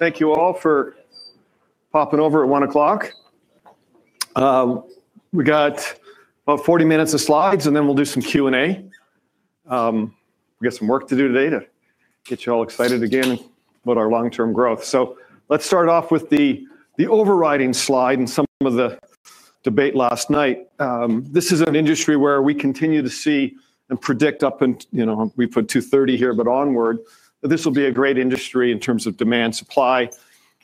Thank you all for popping over at 1:00 P.M. We got about 40 minutes of slides, and then we'll do some Q&A. We've got some work to do today to get you all excited again about our long-term growth. Let's start off with the overriding slide and some of the debate last night. This is an industry where we continue to see and predict up until we put 2030 here, but onward, that this will be a great industry in terms of demand-supply.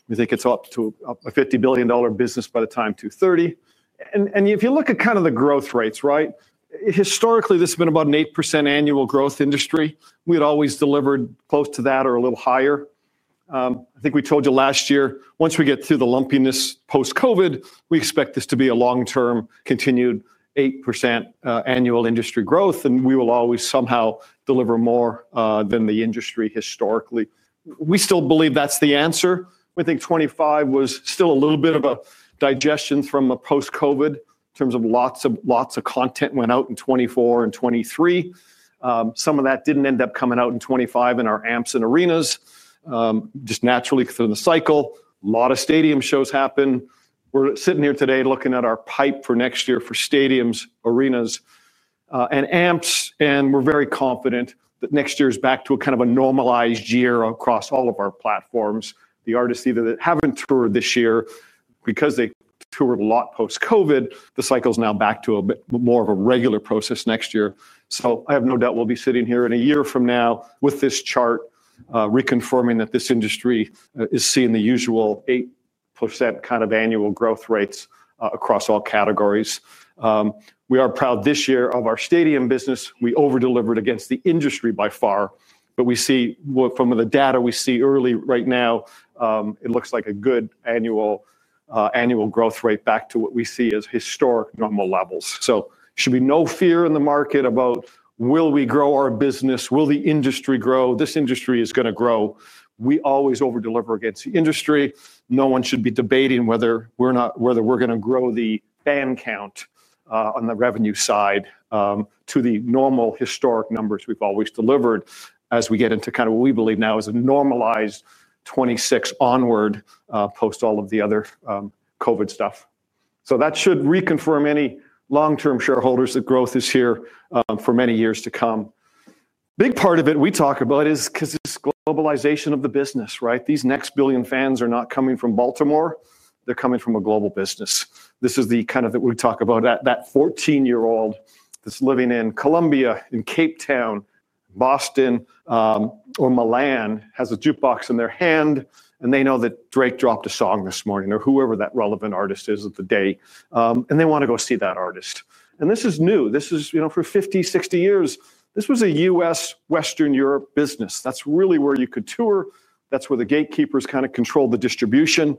We think it's up to a $50 billion business by the time 2030. If you look at kind of the growth rates, right, historically, this has been about an 8% annual growth industry. We had always delivered close to that or a little higher. I think we told you last year, once we get through the lumpiness post-COVID, we expect this to be a long-term continued 8% annual industry growth, and we will always somehow deliver more than the industry historically. We still believe that's the answer. We think 2025 was still a little bit of a digestion from post-COVID in terms of lots of content went out in 2024 and 2023. Some of that did not end up coming out in 2025 in our amps and arenas, just naturally through the cycle. A lot of stadium shows happen. We're sitting here today looking at our pipe for next year for stadiums, arenas, and amps, and we're very confident that next year is back to a kind of a normalized year across all of our platforms. The artists either that haven't toured this year, because they toured a lot post-COVID, the cycle's now back to a bit more of a regular process next year. I have no doubt we'll be sitting here in a year from now with this chart reconfirming that this industry is seeing the usual 8% kind of annual growth rates across all categories. We are proud this year of our stadium business. We overdelivered against the industry by far, but we see from the data we see early right now. It looks like a good annual growth rate back to what we see as historic normal levels. There should be no fear in the market about will we grow our business, will the industry grow. This industry is going to grow. We always overdeliver against the industry. No one should be debating whether we're going to grow the fan count on the revenue side to the normal historic numbers we've always delivered as we get into kind of what we believe now is a normalized 2026 onward post all of the other COVID stuff. That should reconfirm any long-term shareholders that growth is here for many years to come. Big part of it we talk about is globalization of the business, right? These next billion fans are not coming from Baltimore. They're coming from a global business. This is the kind of that we talk about, that 14-year-old that's living in Colombia, in Cape Town, Boston, or Milan, has a jukebox in their hand, and they know that Drake dropped a song this morning or whoever that relevant artist is of the day, and they want to go see that artist. This is new. This is for 50, 60 years. This was a U.S., Western Europe business. That is really where you could tour. That is where the gatekeepers kind of controlled the distribution.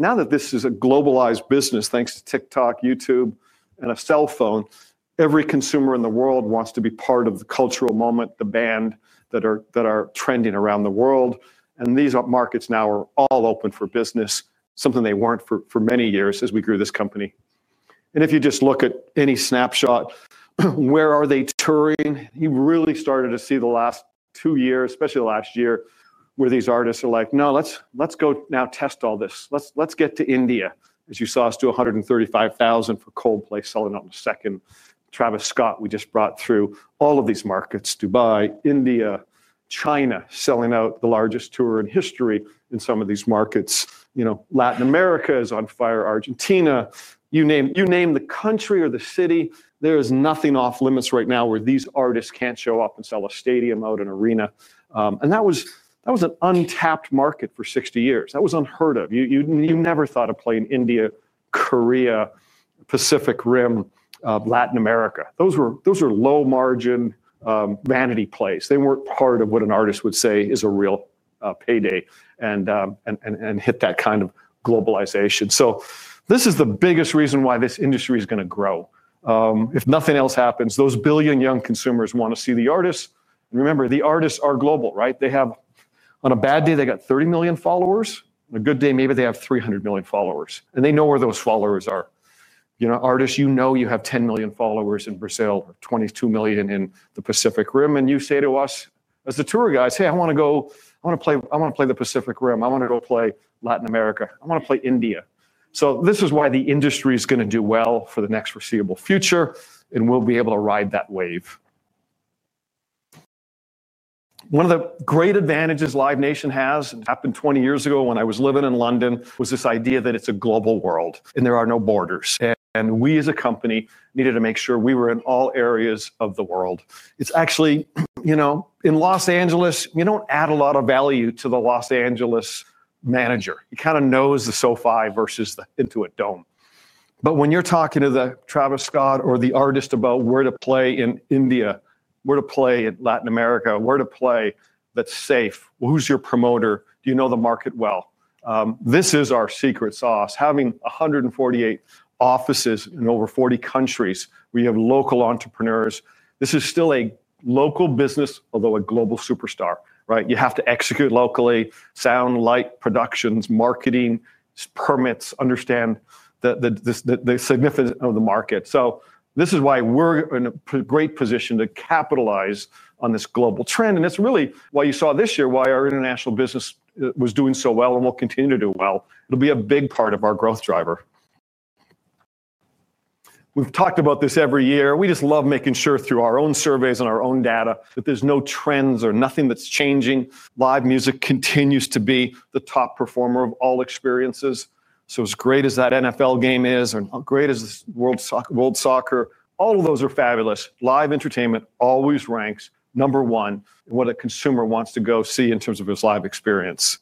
Now that this is a globalized business, thanks to TikTok, YouTube, and a cell phone, every consumer in the world wants to be part of the cultural moment, the band that are trending around the world. These markets now are all open for business, something they were not for many years as we grew this company. If you just look at any snapshot, where are they touring? You really started to see the last two years, especially last year, where these artists are like, no, let us go now test all this. Let us get to India. As you saw us do 135,000 for Coldplay selling out in a second. Travis Scott, we just brought through all of these markets, Dubai, India, China, selling out the largest tour in history in some of these markets. Latin America is on fire, Argentina. You name the country or the city, there is nothing off limits right now where these artists can't show up and sell a stadium out, an arena. That was an untapped market for 60 years. That was unheard of. You never thought of playing India, Korea, Pacific Rim, Latin America. Those were low-margin, vanity plays. They weren't part of what an artist would say is a real payday and hit that kind of globalization. This is the biggest reason why this industry is going to grow. If nothing else happens, those billion young consumers want to see the artists. Remember, the artists are global, right? They have, on a bad day, they got 30 million followers. On a good day, maybe they have 300 million followers. And they know where those followers are. Artists, you know you have 10 million followers in Brazil, 22 million in the Pacific Rim, and you say to us as the tour guys, hey, I want to go, I want to play the Pacific Rim, I want to go play Latin America, I want to play India. This is why the industry is going to do well for the next foreseeable future, and we'll be able to ride that wave. One of the great advantages Live Nation has, and happened 20 years ago when I was living in London, was this idea that it's a global world and there are no borders. We as a company needed to make sure we were in all areas of the world. It's actually, you know, in Los Angeles, you don't add a lot of value to the Los Angeles manager. He kind of knows the SoFi versus the Intuit Dome. But when you're talking to the Travis Scott or the artist about where to play in India, where to play in Latin America, where to play that's safe, who's your promoter, do you know the market well? This is our secret sauce. Having 148 offices in over 40 countries, we have local entrepreneurs. This is still a local business, although a global superstar, right? You have to execute locally, sound, light, productions, marketing, permits, understand. The significance of the market. This is why we're in a great position to capitalize on this global trend. It's really why you saw this year, why our international business was doing so well and will continue to do well. It'll be a big part of our growth driver. We've talked about this every year. We just love making sure through our own surveys and our own data that there's no trends or nothing that's changing. Live music continues to be the top performer of all experiences. As great as that NFL game is, or how great is World Soccer, all of those are fabulous. Live entertainment always ranks number one in what a consumer wants to go see in terms of his live experience.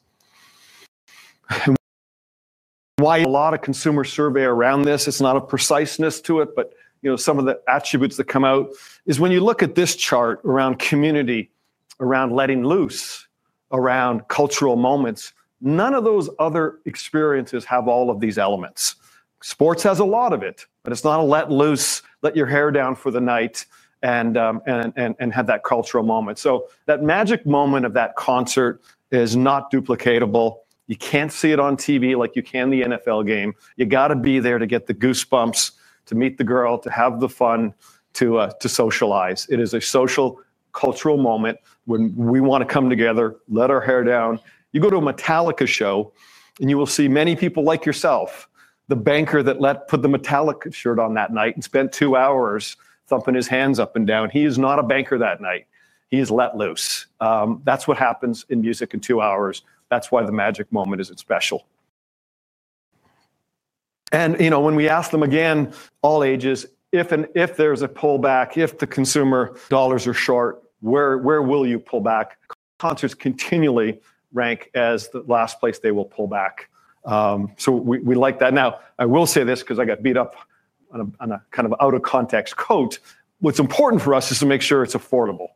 Why a lot of consumer survey around this? It's not a preciseness to it, but some of the attributes that come out is when you look at this chart around community, around letting loose, around cultural moments, none of those other experiences have all of these elements. Sports has a lot of it, but it's not a let loose, let your hair down for the night and have that cultural moment. That magic moment of that concert is not duplicatable. You can't see it on TV like you can the NFL game. You got to be there to get the goosebumps, to meet the girl, to have the fun, to socialize. It is a social cultural moment when we want to come together, let our hair down. You go to a Metallica show and you will see many people like yourself, the banker that put the Metallica shirt on that night and spent two hours thumping his hands up and down. He is not a banker that night. He is let loose. That's what happens in music in two hours. That's why the magic moment is special. You know when we ask them again, all ages, if there is a pullback, if the consumer dollars are short, where will you pull back? Concerts continually rank as the last place they will pull back. We like that. I will say this because I got beat up on a kind of out of context quote. What is important for us is to make sure it is affordable.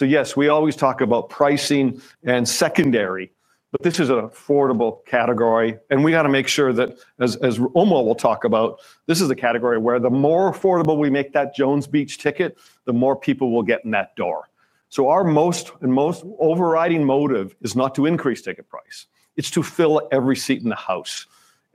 Yes, we always talk about pricing and secondary, but this is an affordable category. We have to make sure that, as Omar will talk about, this is a category where the more affordable we make that Jones Beach ticket, the more people will get in that door. Our most and most overriding motive is not to increase ticket price. It is to fill every seat in the house.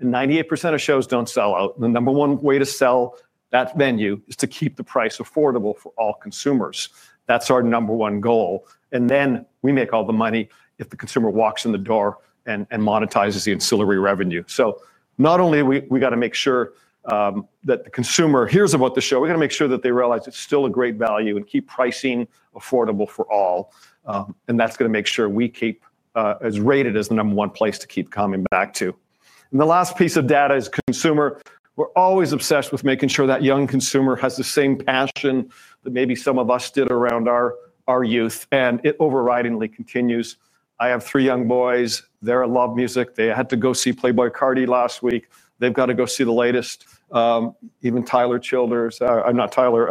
98% of shows do not sell out. The number one way to sell that venue is to keep the price affordable for all consumers. That is our number one goal. We make all the money if the consumer walks in the door and monetizes the ancillary revenue. Not only do we have to make sure that the consumer hears about the show, we have to make sure that they realize it is still a great value and keep pricing affordable for all. That is going to make sure we keep as rated as the number one place to keep coming back to. The last piece of data is consumer. We are always obsessed with making sure that young consumer has the same passion that maybe some of us did around our youth. It overridingly continues. I have three young boys. They are in love with music. They had to go see Playboi Carti last week. They've got to go see the latest. Even Tyler Childers. I'm not Tyler.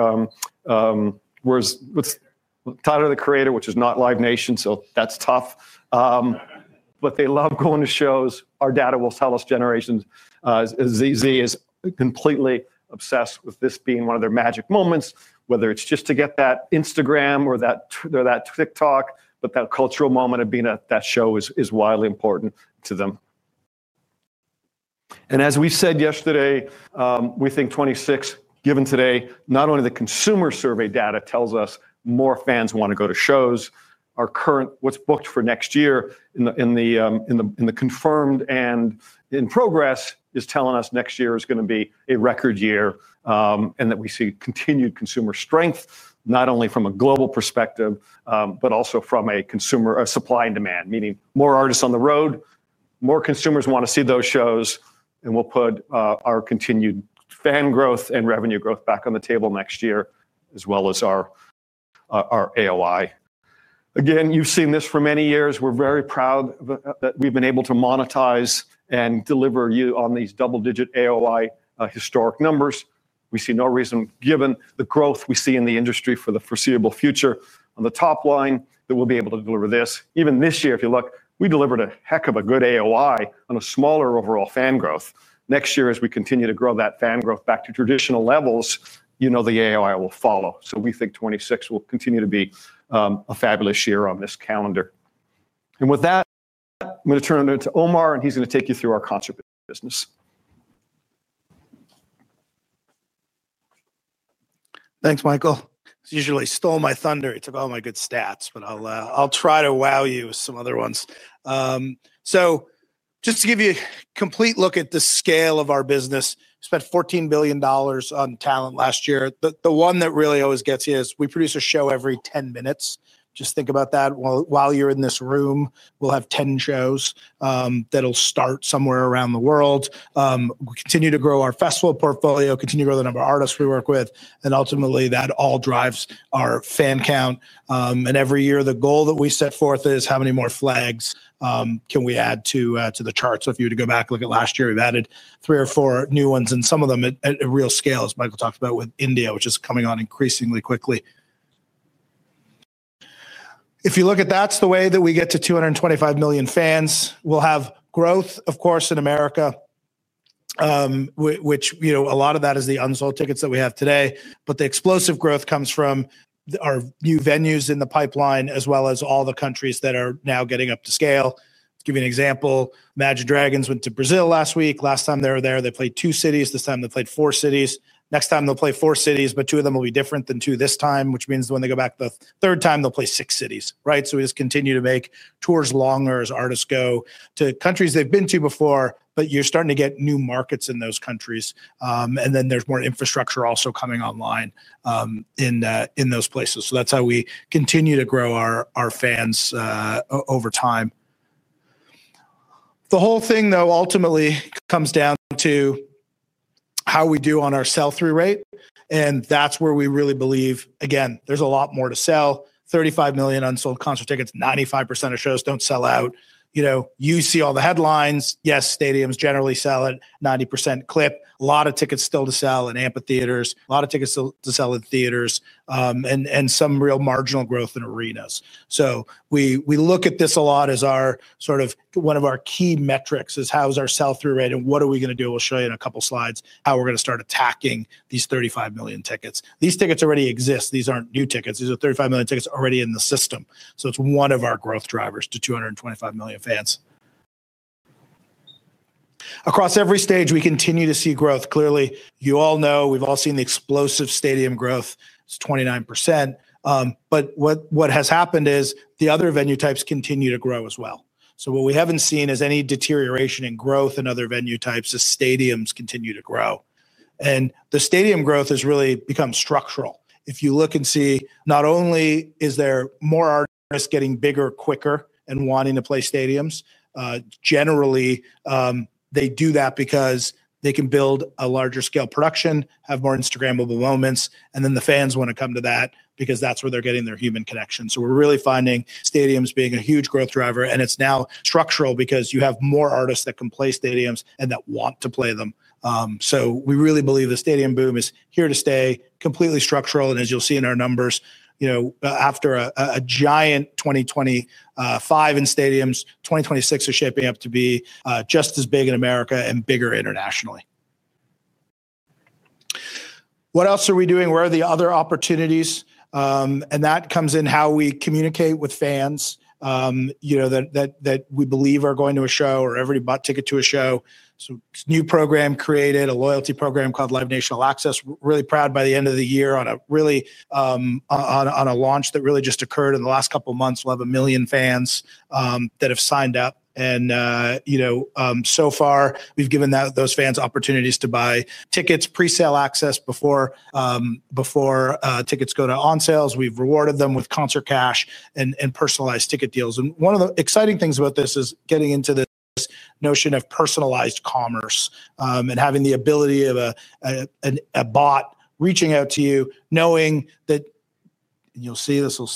Whereas Tyler, the Creator, which is not Live Nation, so that's tough. They love going to shows. Our data will tell us generations. Gen Z is completely obsessed with this being one of their magic moments, whether it's just to get that Instagram or that TikTok, but that cultural moment of being at that show is wildly important to them. As we said yesterday, we think 2026, given today, not only the consumer survey data tells us more fans want to go to shows, our current what's booked for next year in the. Confirmed and in progress is telling us next year is going to be a record year and that we see continued consumer strength, not only from a global perspective, but also from a consumer supply and demand, meaning more artists on the road, more consumers want to see those shows, and we'll put our continued fan growth and revenue growth back on the table next year, as well as our AOI. Again, you've seen this for many years. We're very proud that we've been able to monetize and deliver you on these double-digit AOI historic numbers. We see no reason, given the growth we see in the industry for the foreseeable future, on the top line that we'll be able to deliver this. Even this year, if you look, we delivered a heck of a good AOI on a smaller overall fan growth. Next year, as we continue to grow that fan growth back to traditional levels, you know the AOI will follow. We think 2026 will continue to be a fabulous year on this calendar. With that, I'm going to turn it over to Omar, and he's going to take you through our concert business. Thanks, Michael. You usually stole my thunder. You took all my good stats, but I'll try to wow you with some other ones. Just to give you a complete look at the scale of our business, we spent $14 billion on talent last year. The one that really always gets here is we produce a show every 10 minutes. Just think about that. While you're in this room, we'll have 10 shows that'll start somewhere around the world. We'll continue to grow our festival portfolio, continue to grow the number of artists we work with, and ultimately that all drives our fan count. Every year, the goal that we set forth is how many more flags can we add to the charts. If you were to go back and look at last year, we've added three or four new ones and some of them at real scale, as Michael talked about with India, which is coming on increasingly quickly. If you look at that's the way that we get to 225 million fans. We'll have growth, of course, in America, which a lot of that is the unsold tickets that we have today. The explosive growth comes from our new venues in the pipeline, as well as all the countries that are now getting up to scale. To give you an example, Imagine Dragons went to Brazil last week. Last time they were there, they played two cities. This time they played four cities. Next time they'll play four cities, but two of them will be different than two this time, which means when they go back the third time, they'll play six cities, right? We just continue to make tours longer as artists go to countries they've been to before, but you're starting to get new markets in those countries. There is more infrastructure also coming online in those places. That is how we continue to grow our fans over time. The whole thing, though, ultimately comes down to how we do on our sell-through rate. That is where we really believe, again, there's a lot more to sell. 35 million unsold concert tickets, 95% of shows don't sell out. You see all the headlines. Yes, stadiums generally sell at 90% clip. A lot of tickets still to sell in amphitheaters. A lot of tickets still to sell in theaters. And some real marginal growth in arenas. We look at this a lot as our sort of one of our key metrics is how is our sell-through rate and what are we going to do. We'll show you in a couple of slides how we're going to start attacking these 35 million tickets. These tickets already exist. These aren't new tickets. These are 35 million tickets already in the system. It is one of our growth drivers to 225 million fans. Across every stage, we continue to see growth. Clearly, you all know we've all seen the explosive stadium growth. It's 29%. What has happened is the other venue types continue to grow as well. What we haven't seen is any deterioration in growth in other venue types as stadiums continue to grow. The stadium growth has really become structural. If you look and see, not only is there more artists getting bigger quicker and wanting to play stadiums, generally. They do that because they can build a larger scale production, have more Instagrammable moments, and then the fans want to come to that because that's where they're getting their human connection. We're really finding stadiums being a huge growth driver, and it's now structural because you have more artists that can play stadiums and that want to play them. We really believe the stadium boom is here to stay, completely structural. As you'll see in our numbers. After a giant 2025 in stadiums, 2026 is shaping up to be just as big in America and bigger internationally. What else are we doing? Where are the other opportunities? That comes in how we communicate with fans. That we believe are going to a show or everybody bought tickets to a show. It is a new program created, a loyalty program called All Access. Really proud by the end of the year on a launch that really just occurred in the last couple of months. We will have a million fans that have signed up. So far, we have given those fans opportunities to buy tickets, pre-sale access before tickets go to on sales. We have rewarded them with concert cash and personalized ticket deals. One of the exciting things about this is getting into this notion of personalized commerce and having the ability of a bot reaching out to you, knowing that. You'll see this will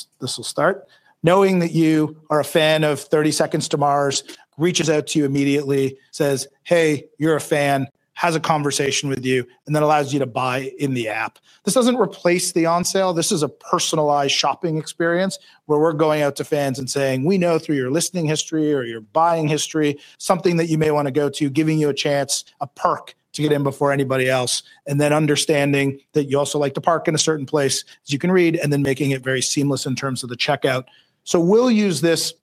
start, knowing that you are a fan of 30 Seconds to Mars, reaches out to you immediately, says, "Hey, you're a fan," has a conversation with you, and then allows you to buy in the app. This does not replace the on sale. This is a personalized shopping experience where we're going out to fans and saying, "We know through your listening history or your buying history, something that you may want to go to," giving you a chance, a perk to get in before anybody else, and then understanding that you also like to park in a certain place as you can read and then making it very seamless in terms of the checkout. We'll use this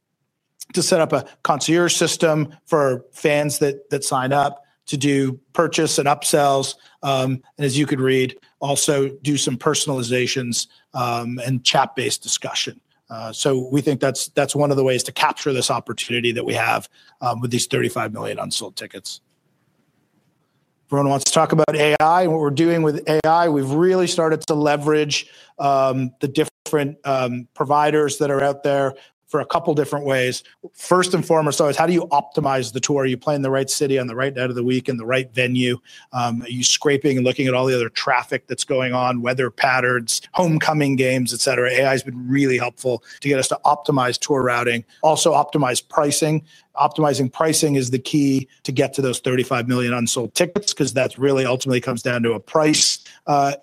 to set up a concierge system for fans that sign up to do purchase and upsells, and as you could read, also do some personalizations. Chat-based discussion. We think that's one of the ways to capture this opportunity that we have with these 35 million unsold tickets. Everyone wants to talk about AI and what we're doing with AI. We've really started to leverage the different providers that are out there for a couple of different ways. First and foremost, how do you optimize the tour? Are you playing in the right city on the right day of the week in the right venue? Are you scraping and looking at all the other traffic that's going on, weather patterns, homecoming games, et cetera? AI has been really helpful to get us to optimize tour routing, also optimize pricing. Optimizing pricing is the key to get to those 35 million unsold tickets because that really ultimately comes down to a price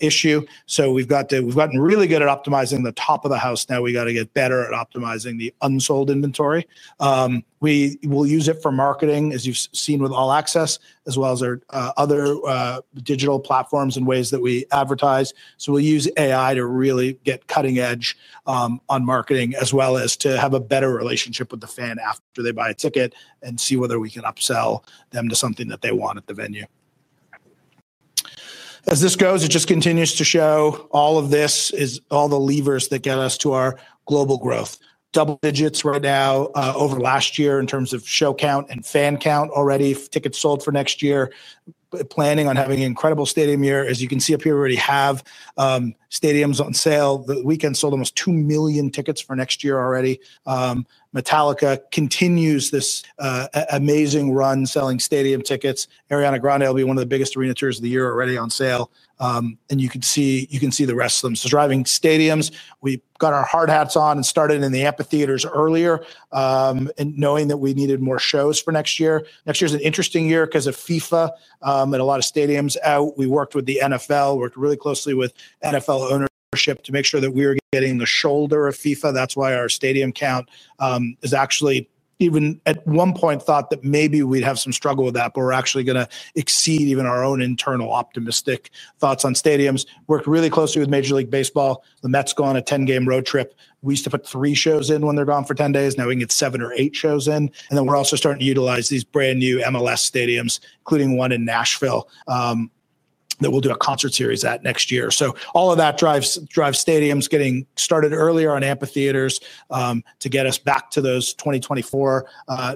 issue. We've gotten really good at optimizing the top of the house. Now we got to get better at optimizing the unsold inventory. We will use it for marketing, as you've seen with All Access, as well as our other digital platforms and ways that we advertise. We will use AI to really get cutting edge on marketing, as well as to have a better relationship with the fan after they buy a ticket and see whether we can upsell them to something that they want at the venue. As this goes, it just continues to show all of this is all the levers that get us to our global growth. Double digits right now over last year in terms of show count and fan count already, tickets sold for next year. Planning on having an incredible stadium year. As you can see up here, we already have stadiums on sale. The Weeknd sold almost 2 million tickets for next year already. Metallica continues this amazing run selling stadium tickets. Ariana Grande will be one of the biggest arena tours of the year already on sale. You can see the rest of them. Driving stadiums, we got our hard hats on and started in the amphitheaters earlier. Knowing that we needed more shows for next year. Next year is an interesting year because of FIFA and a lot of stadiums out. We worked with the NFL, worked really closely with NFL ownership to make sure that we were getting the shoulder of FIFA. That is why our stadium count is actually even at one point thought that maybe we would have some struggle with that, but we are actually going to exceed even our own internal optimistic thoughts on stadiums. Worked really closely with Major League Baseball. The Mets go on a 10-game road trip. We used to put three shows in when they're gone for 10 days. Now we can get seven or eight shows in. We are also starting to utilize these brand new MLS stadiums, including one in Nashville. That we'll do a concert series at next year. All of that drives stadiums getting started earlier on amphitheaters to get us back to those 2024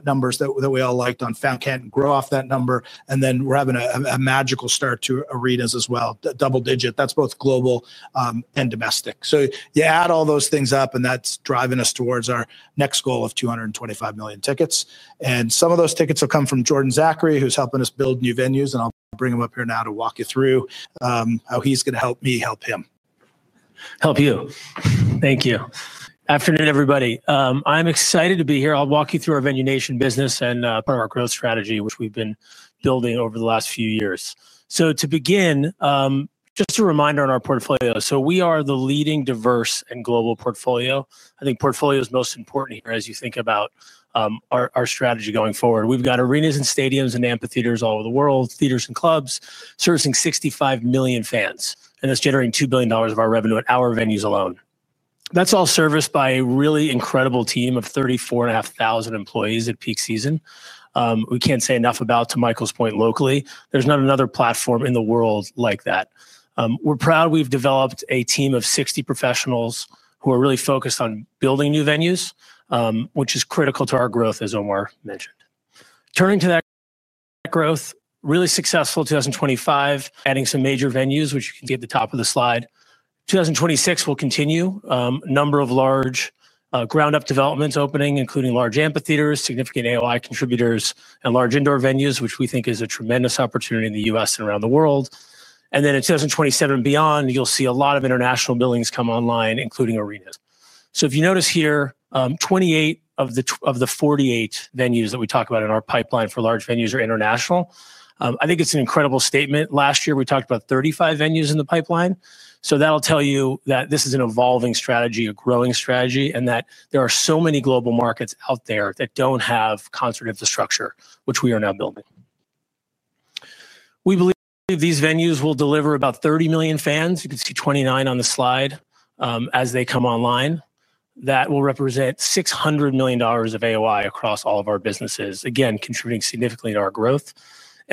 numbers that we all liked on Fountain. Grow off that number. We are having a magical start to arenas as well. Double digit. That's both global and domestic. You add all those things up, and that's driving us towards our next goal of 225 million tickets. Some of those tickets will come from Jordan Zachary, who's helping us build new venues. I'll bring him up here now to walk you through. How he's going to help me help him. Help you. Thank you. Afternoon, everybody. I'm excited to be here. I'll walk you through our Venue Nation business and part of our growth strategy, which we've been building over the last few years. To begin, just a reminder on our portfolio. We are the leading diverse and global portfolio. I think portfolio is most important here as you think about our strategy going forward. We've got arenas and stadiums and amphitheaters all over the world, theaters and clubs servicing 65 million fans. That's generating $2 billion of our revenue at our venues alone. That's all serviced by a really incredible team of 34,500 employees at peak season. We can't say enough about, to Michael's point, locally, there's not another platform in the world like that. We're proud we've developed a team of 60 professionals who are really focused on building new venues, which is critical to our growth, as Omar mentioned. Turning to that, growth, really successful 2025, adding some major venues, which you can see at the top of the slide. 2026 will continue a number of large ground-up developments opening, including large amphitheaters, significant AOI contributors, and large indoor venues, which we think is a tremendous opportunity in the U.S. and around the world. In 2027 and beyond, you'll see a lot of international buildings come online, including arenas. If you notice here, 28 of the 48 venues that we talk about in our pipeline for large venues are international. I think it's an incredible statement. Last year, we talked about 35 venues in the pipeline. That'll tell you that this is an evolving strategy, a growing strategy, and that there are so many global markets out there that do not have concert infrastructure, which we are now building. We believe these venues will deliver about 30 million fans. You can see 29 on the slide as they come online. That will represent $600 million of AOI across all of our businesses, again, contributing significantly to our growth.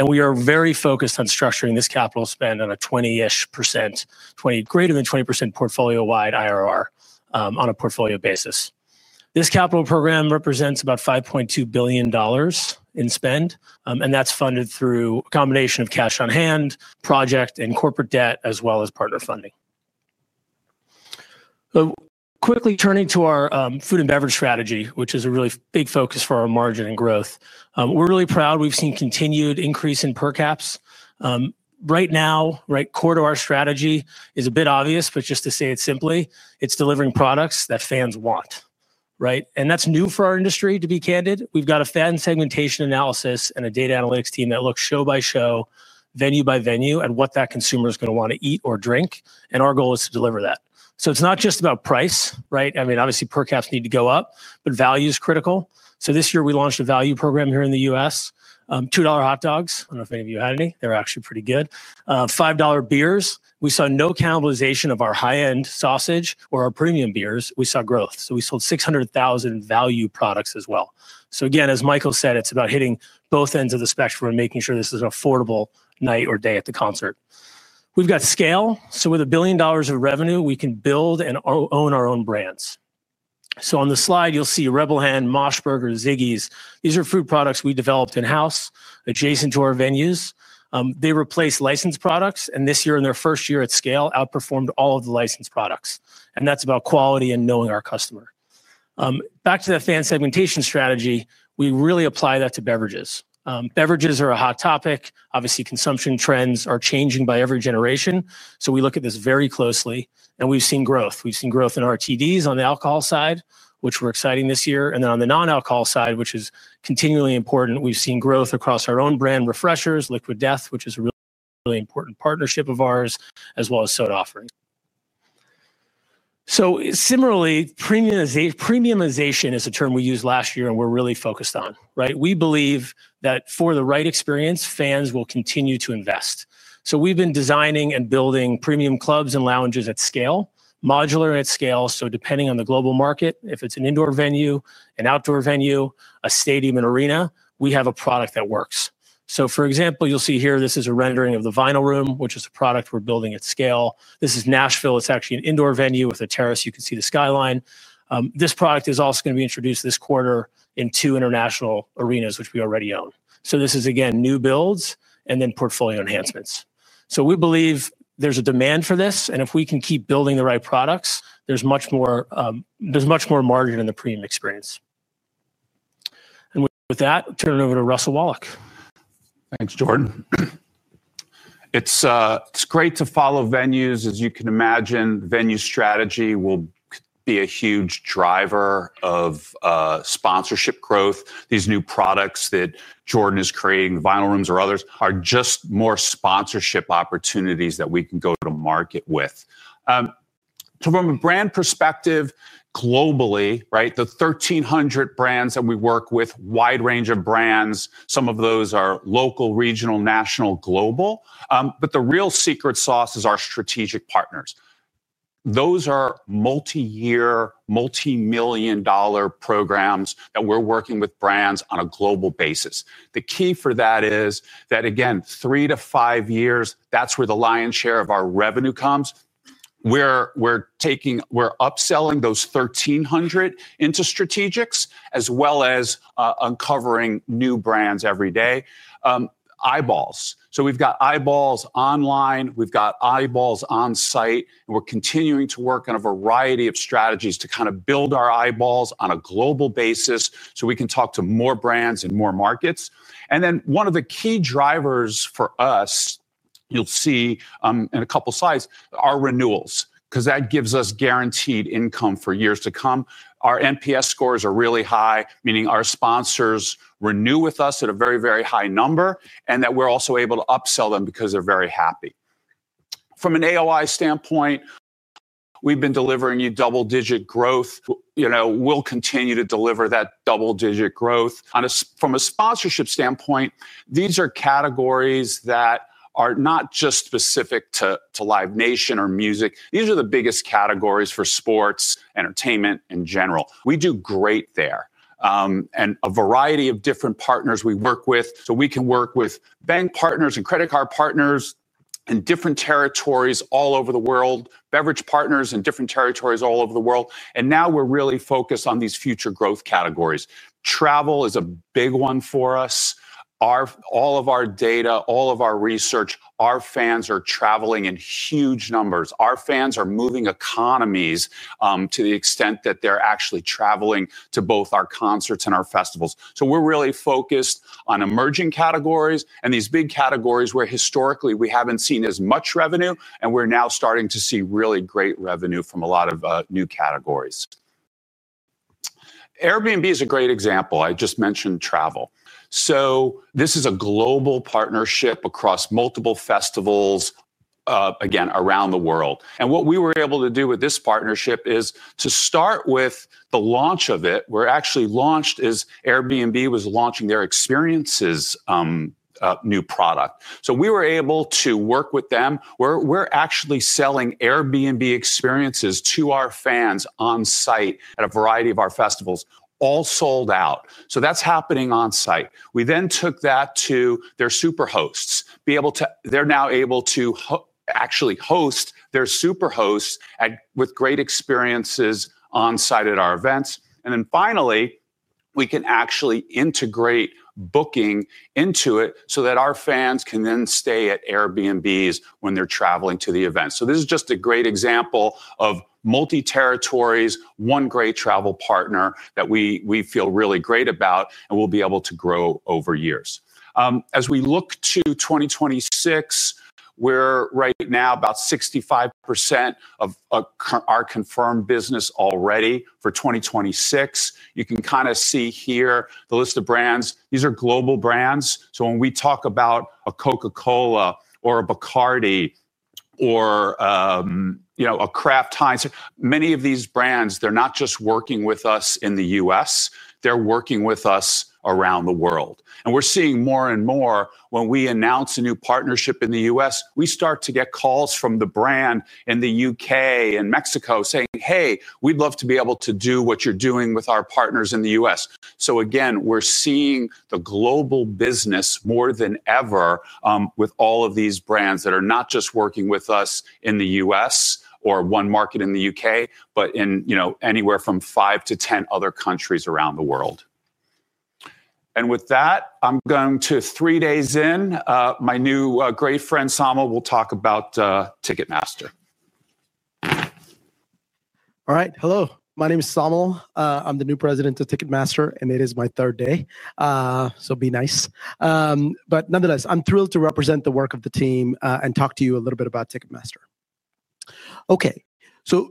We are very focused on structuring this capital spend on a 20%-ish, greater than 20% portfolio-wide IRR on a portfolio basis. This capital program represents about $5.2 billion in spend, and that is funded through a combination of cash on hand, project and corporate debt, as well as partner funding. Quickly turning to our food and beverage strategy, which is a really big focus for our margin and growth. We're really proud we've seen continued increase in per caps. Right now, quarter our strategy is a bit obvious, but just to say it simply, it's delivering products that fans want. And that's new for our industry, to be candid. We've got a fan segmentation analysis and a data analytics team that looks show by show, venue by venue, at what that consumer is going to want to eat or drink. Our goal is to deliver that. It's not just about price, right? I mean, obviously, per caps need to go up, but value is critical. This year, we launched a value program here in the U.S. $2 hot dogs. I don't know if any of you had any. They were actually pretty good. $5 beers. We saw no cannibalization of our high-end sausage or our premium beers. We saw growth. We sold 600,000 value products as well. Again, as Michael said, it's about hitting both ends of the spectrum and making sure this is an affordable night or day at the concert. We've got scale. With $1 billion of revenue, we can build and own our own brands. On the slide, you'll see Rebel Hand, Mosh Burger, Ziggy's. These are food products we developed in-house, adjacent to our venues. They replace licensed products. This year, in their first year at scale, they outperformed all of the licensed products. That's about quality and knowing our customer. Back to that fan segmentation strategy, we really apply that to beverages. Beverages are a hot topic. Obviously, consumption trends are changing by every generation. We look at this very closely. We've seen growth. We've seen growth in our TDs on the alcohol side, which were exciting this year. And then on the non-alcohol side, which is continually important, we've seen growth across our own brand refreshers, Liquid Death, which is a really important partnership of ours, as well as soda offerings. Similarly, premiumization is a term we used last year and we're really focused on. We believe that for the right experience, fans will continue to invest. We've been designing and building premium clubs and lounges at scale, modular at scale. Depending on the global market, if it's an indoor venue, an outdoor venue, a stadium, an arena, we have a product that works. For example, you'll see here, this is a rendering of the Vinyl Room, which is a product we're building at scale. This is Nashville. It's actually an indoor venue with a terrace. You can see the skyline. This product is also going to be introduced this quarter in two international arenas, which we already own. This is, again, new builds and then portfolio enhancements. We believe there is a demand for this. If we can keep building the right products, there is much more margin in the premium experience. With that, turn it over to Russell Wallach. Thanks, Jordan. It is great to follow venues. As you can imagine, venue strategy will be a huge driver of sponsorship growth. These new products that Jordan is creating, the Vinyl Room or others, are just more sponsorship opportunities that we can go to market with. From a brand perspective, globally, the 1,300 brands that we work with, wide range of brands, some of those are local, regional, national, global. The real secret sauce is our strategic partners. Those are multi-year, multi-million dollar programs that we're working with brands on a global basis. The key for that is that, again, three to five years, that's where the lion's share of our revenue comes. We're upselling those 1,300 into strategics, as well as uncovering new brands every day. Eyeballs. We've got eyeballs online. We've got eyeballs on site. We're continuing to work on a variety of strategies to kind of build our eyeballs on a global basis so we can talk to more brands and more markets. One of the key drivers for us, you'll see in a couple of slides, are renewals, because that gives us guaranteed income for years to come. Our NPS scores are really high, meaning our sponsors renew with us at a very, very high number, and we're also able to upsell them because they're very happy. From an AOI standpoint. We've been delivering you double-digit growth. We'll continue to deliver that double-digit growth. From a sponsorship standpoint, these are categories that are not just specific to Live Nation or music. These are the biggest categories for sports, entertainment, and general. We do great there. A variety of different partners we work with. We can work with bank partners and credit card partners in different territories all over the world, beverage partners in different territories all over the world. Now we're really focused on these future growth categories. Travel is a big one for us. All of our data, all of our research, our fans are traveling in huge numbers. Our fans are moving economies to the extent that they're actually traveling to both our concerts and our festivals. We're really focused on emerging categories and these big categories where historically we haven't seen as much revenue, and we're now starting to see really great revenue from a lot of new categories. Airbnb is a great example. I just mentioned travel. This is a global partnership across multiple festivals, again, around the world. What we were able to do with this partnership is to start with the launch of it. We actually launched as Airbnb was launching their experiences, new product. We were able to work with them. We're actually selling Airbnb experiences to our fans on site at a variety of our festivals, all sold out. That's happening on site. We then took that to their super hosts. They're now able to actually host their super hosts with great experiences on site at our events. Finally, we can actually integrate booking into it so that our fans can then stay at Airbnbs when they're traveling to the event. This is just a great example of multi-territories, one great travel partner that we feel really great about and will be able to grow over years. As we look to 2026, we're right now about 65% of our confirmed business already for 2026. You can kind of see here the list of brands. These are global brands. When we talk about a Coca-Cola or a Bacardi or a Kraft Heinz, many of these brands, they're not just working with us in the U.S. They're working with us around the world. We're seeing more and more when we announce a new partnership in the U.S., we start to get calls from the brand in the U.K. and Mexico saying, "Hey, we'd love to be able to do what you're doing with our partners in the U.S." Again, we're seeing the global business more than ever with all of these brands that are not just working with us in the U.S. or one market in the U.K., but in anywhere from 5-10 other countries around the world. With that, I'm going to three days in, my new great friend, Saumil, will talk about Ticketmaster. All right. Hello. My name is Saumil. I'm the new President of Ticketmaster, and it is my third day. Be nice. Nonetheless, I'm thrilled to represent the work of the team and talk to you a little bit about Ticketmaster. Okay.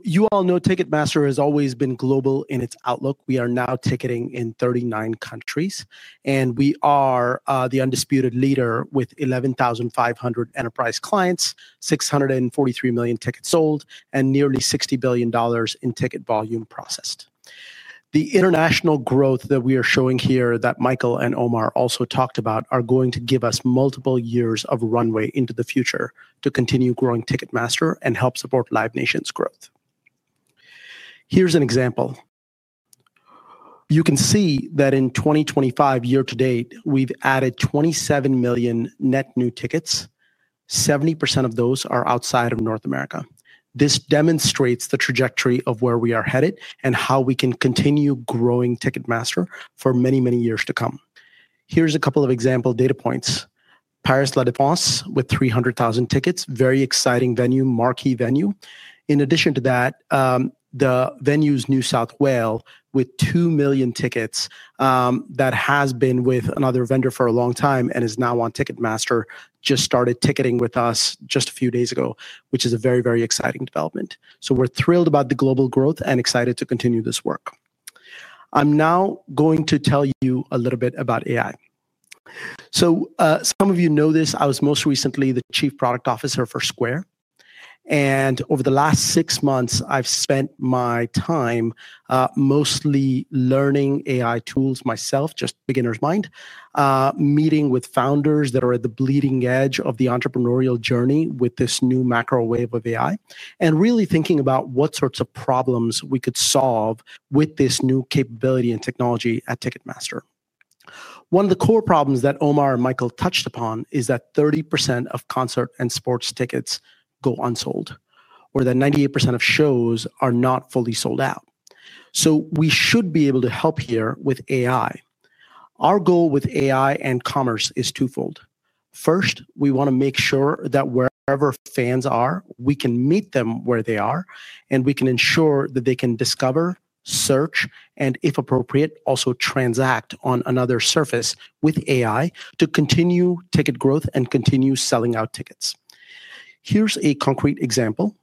You all know Ticketmaster has always been global in its outlook. We are now ticketing in 39 countries. We are the undisputed leader with 11,500 enterprise clients, 643 million tickets sold, and nearly $60 billion in ticket volume processed. The international growth that we are showing here that Michael and Omar also talked about are going to give us multiple years of runway into the future to continue growing Ticketmaster and help support Live Nation's growth. Here's an example. You can see that in 2025, year to date, we've added 27 million net new tickets. 70% of those are outside of North America. This demonstrates the trajectory of where we are headed and how we can continue growing Ticketmaster for many, many years to come. Here's a couple of example data points. Paris La Défense with 300,000 tickets, very exciting venue, marquee venue. In addition to that. The venues New South Wales with 2 million tickets that has been with another vendor for a long time and is now on Ticketmaster, just started ticketing with us just a few days ago, which is a very, very exciting development. We are thrilled about the global growth and excited to continue this work. I'm now going to tell you a little bit about AI. Some of you know this. I was most recently the Chief Product Officer for Square. Over the last six months, I've spent my time mostly learning AI tools myself, just beginner's mind. Meeting with founders that are at the bleeding edge of the entrepreneurial journey with this new macro wave of AI, and really thinking about what sorts of problems we could solve with this new capability and technology at Ticketmaster. One of the core problems that Omar and Michael touched upon is that 30% of concert and sports tickets go unsold, or that 98% of shows are not fully sold out. We should be able to help here with AI. Our goal with AI and commerce is twofold. First, we want to make sure that wherever fans are, we can meet them where they are, and we can ensure that they can discover, search, and if appropriate, also transact on another surface with AI to continue ticket growth and continue selling out tickets. Here is a concrete example.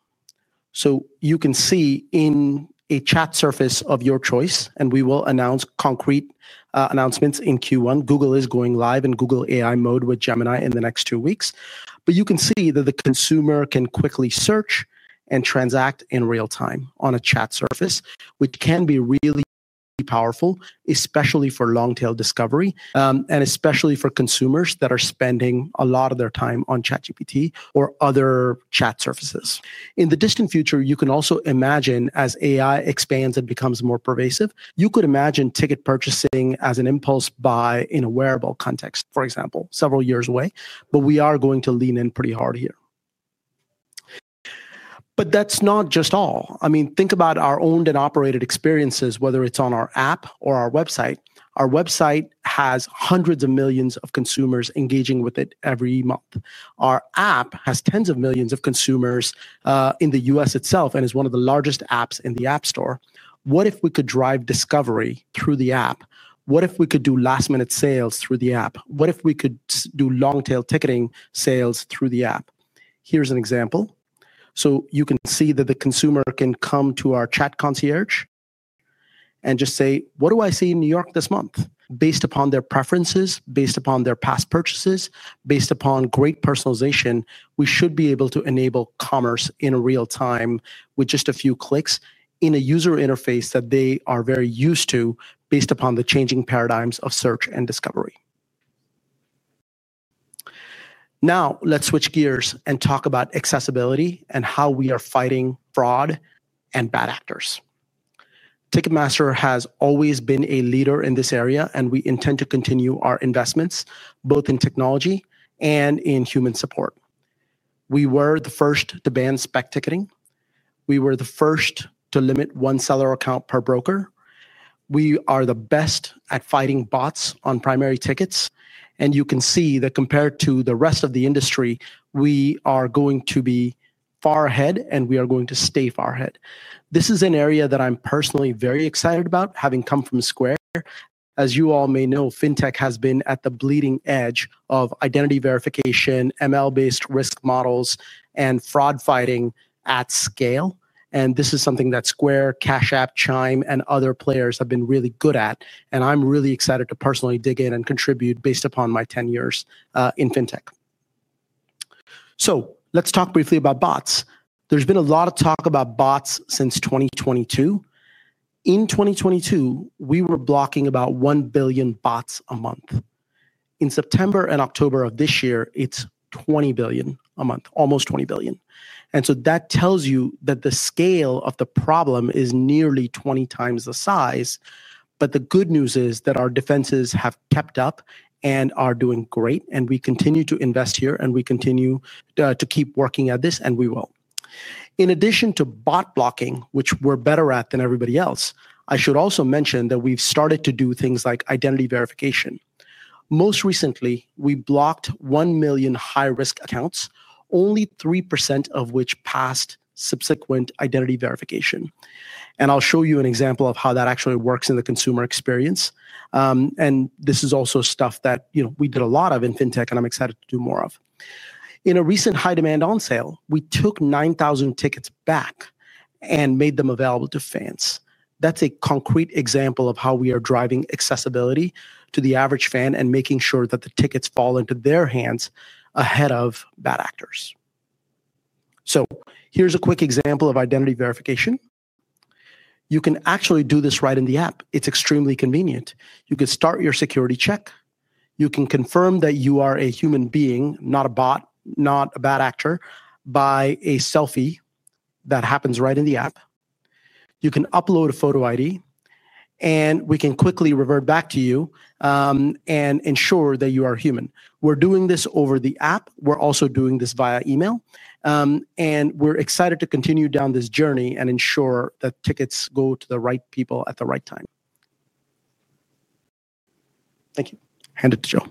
You can see in a chat surface of your choice, and we will announce concrete announcements in Q1. Google is going live in Google AI mode with Gemini in the next two weeks. You can see that the consumer can quickly search and transact in real time on a chat surface, which can be really powerful, especially for long-tail discovery, and especially for consumers that are spending a lot of their time on ChatGPT or other chat surfaces. In the distant future, you can also imagine as AI expands and becomes more pervasive, you could imagine ticket purchasing as an impulse buy in a wearable context, for example, several years away. We are going to lean in pretty hard here. That's not just all. I mean, think about our owned and operated experiences, whether it's on our app or our website. Our website has hundreds of millions of consumers engaging with it every month. Our app has tens of millions of consumers in the U.S. itself and is one of the largest apps in the App Store. What if we could drive discovery through the app? What if we could do last-minute sales through the app? What if we could do long-tail ticketing sales through the app? Here's an example. You can see that the consumer can come to our chat concierge and just say, "What do I see in New York this month?" Based upon their preferences, based upon their past purchases, based upon great personalization, we should be able to enable commerce in real time with just a few clicks in a user interface that they are very used to based upon the changing paradigms of search and discovery. Now, let's switch gears and talk about accessibility and how we are fighting fraud and bad actors. Ticketmaster has always been a leader in this area, and we intend to continue our investments both in technology and in human support. We were the first to ban spec ticketing. We were the first to limit one seller account per broker. We are the best at fighting bots on primary tickets. You can see that compared to the rest of the industry, we are going to be far ahead, and we are going to stay far ahead. This is an area that I'm personally very excited about, having come from Square. As you all may know, fintech has been at the bleeding edge of identity verification, ML-based risk models, and fraud fighting at scale. This is something that Square, Cash App, Chime, and other players have been really good at. I'm really excited to personally dig in and contribute based upon my 10 years in fintech. Let's talk briefly about bots. There's been a lot of talk about bots since 2022. In 2022, we were blocking about 1 billion bots a month. In September and October of this year, it's 20 billion a month, almost 20 billion. That tells you that the scale of the problem is nearly 20 times the size. The good news is that our defenses have kept up and are doing great. We continue to invest here, and we continue to keep working at this, and we will. In addition to bot blocking, which we're better at than everybody else, I should also mention that we've started to do things like identity verification. Most recently, we blocked 1 million high-risk accounts, only 3% of which passed subsequent identity verification. I'll show you an example of how that actually works in the consumer experience. This is also stuff that we did a lot of in fintech, and I'm excited to do more of. In a recent high-demand on sale, we took 9,000 tickets back and made them available to fans. That's a concrete example of how we are driving accessibility to the average fan and making sure that the tickets fall into their hands ahead of bad actors. Here's a quick example of identity verification. You can actually do this right in the app. It's extremely convenient. You can start your security check. You can confirm that you are a human being, not a bot, not a bad actor, by a selfie that happens right in the app. You can upload a photo ID, and we can quickly revert back to you and ensure that you are human. We're doing this over the app. We're also doing this via email. We're excited to continue down this journey and ensure that tickets go to the right people at the right time. Thank you. Hand it to Joe.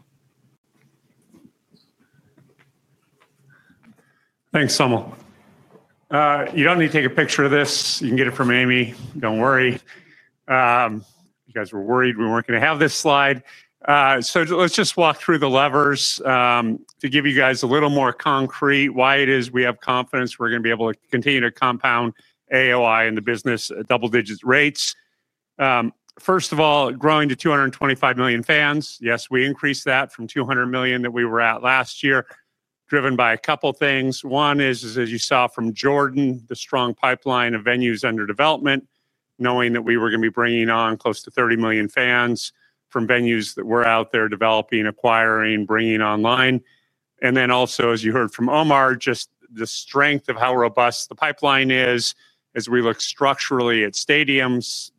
Thanks, Saumil. You don't need to take a picture of this. You can get it from Amy. Don't worry. You guys were worried we weren't going to have this slide. Let's just walk through the levers. To give you guys a little more concrete why it is we have confidence we're going to be able to continue to compound AOI in the business at double-digit rates. First of all, growing to 225 million fans. Yes, we increased that from 200 million that we were at last year, driven by a couple of things. One is, as you saw from Jordan, the strong pipeline of venues under development, knowing that we were going to be bringing on close to 30 million fans from venues that were out there developing, acquiring, bringing online. Also, as you heard from Omar, just the strength of how robust the pipeline is as we look structurally at stadiums.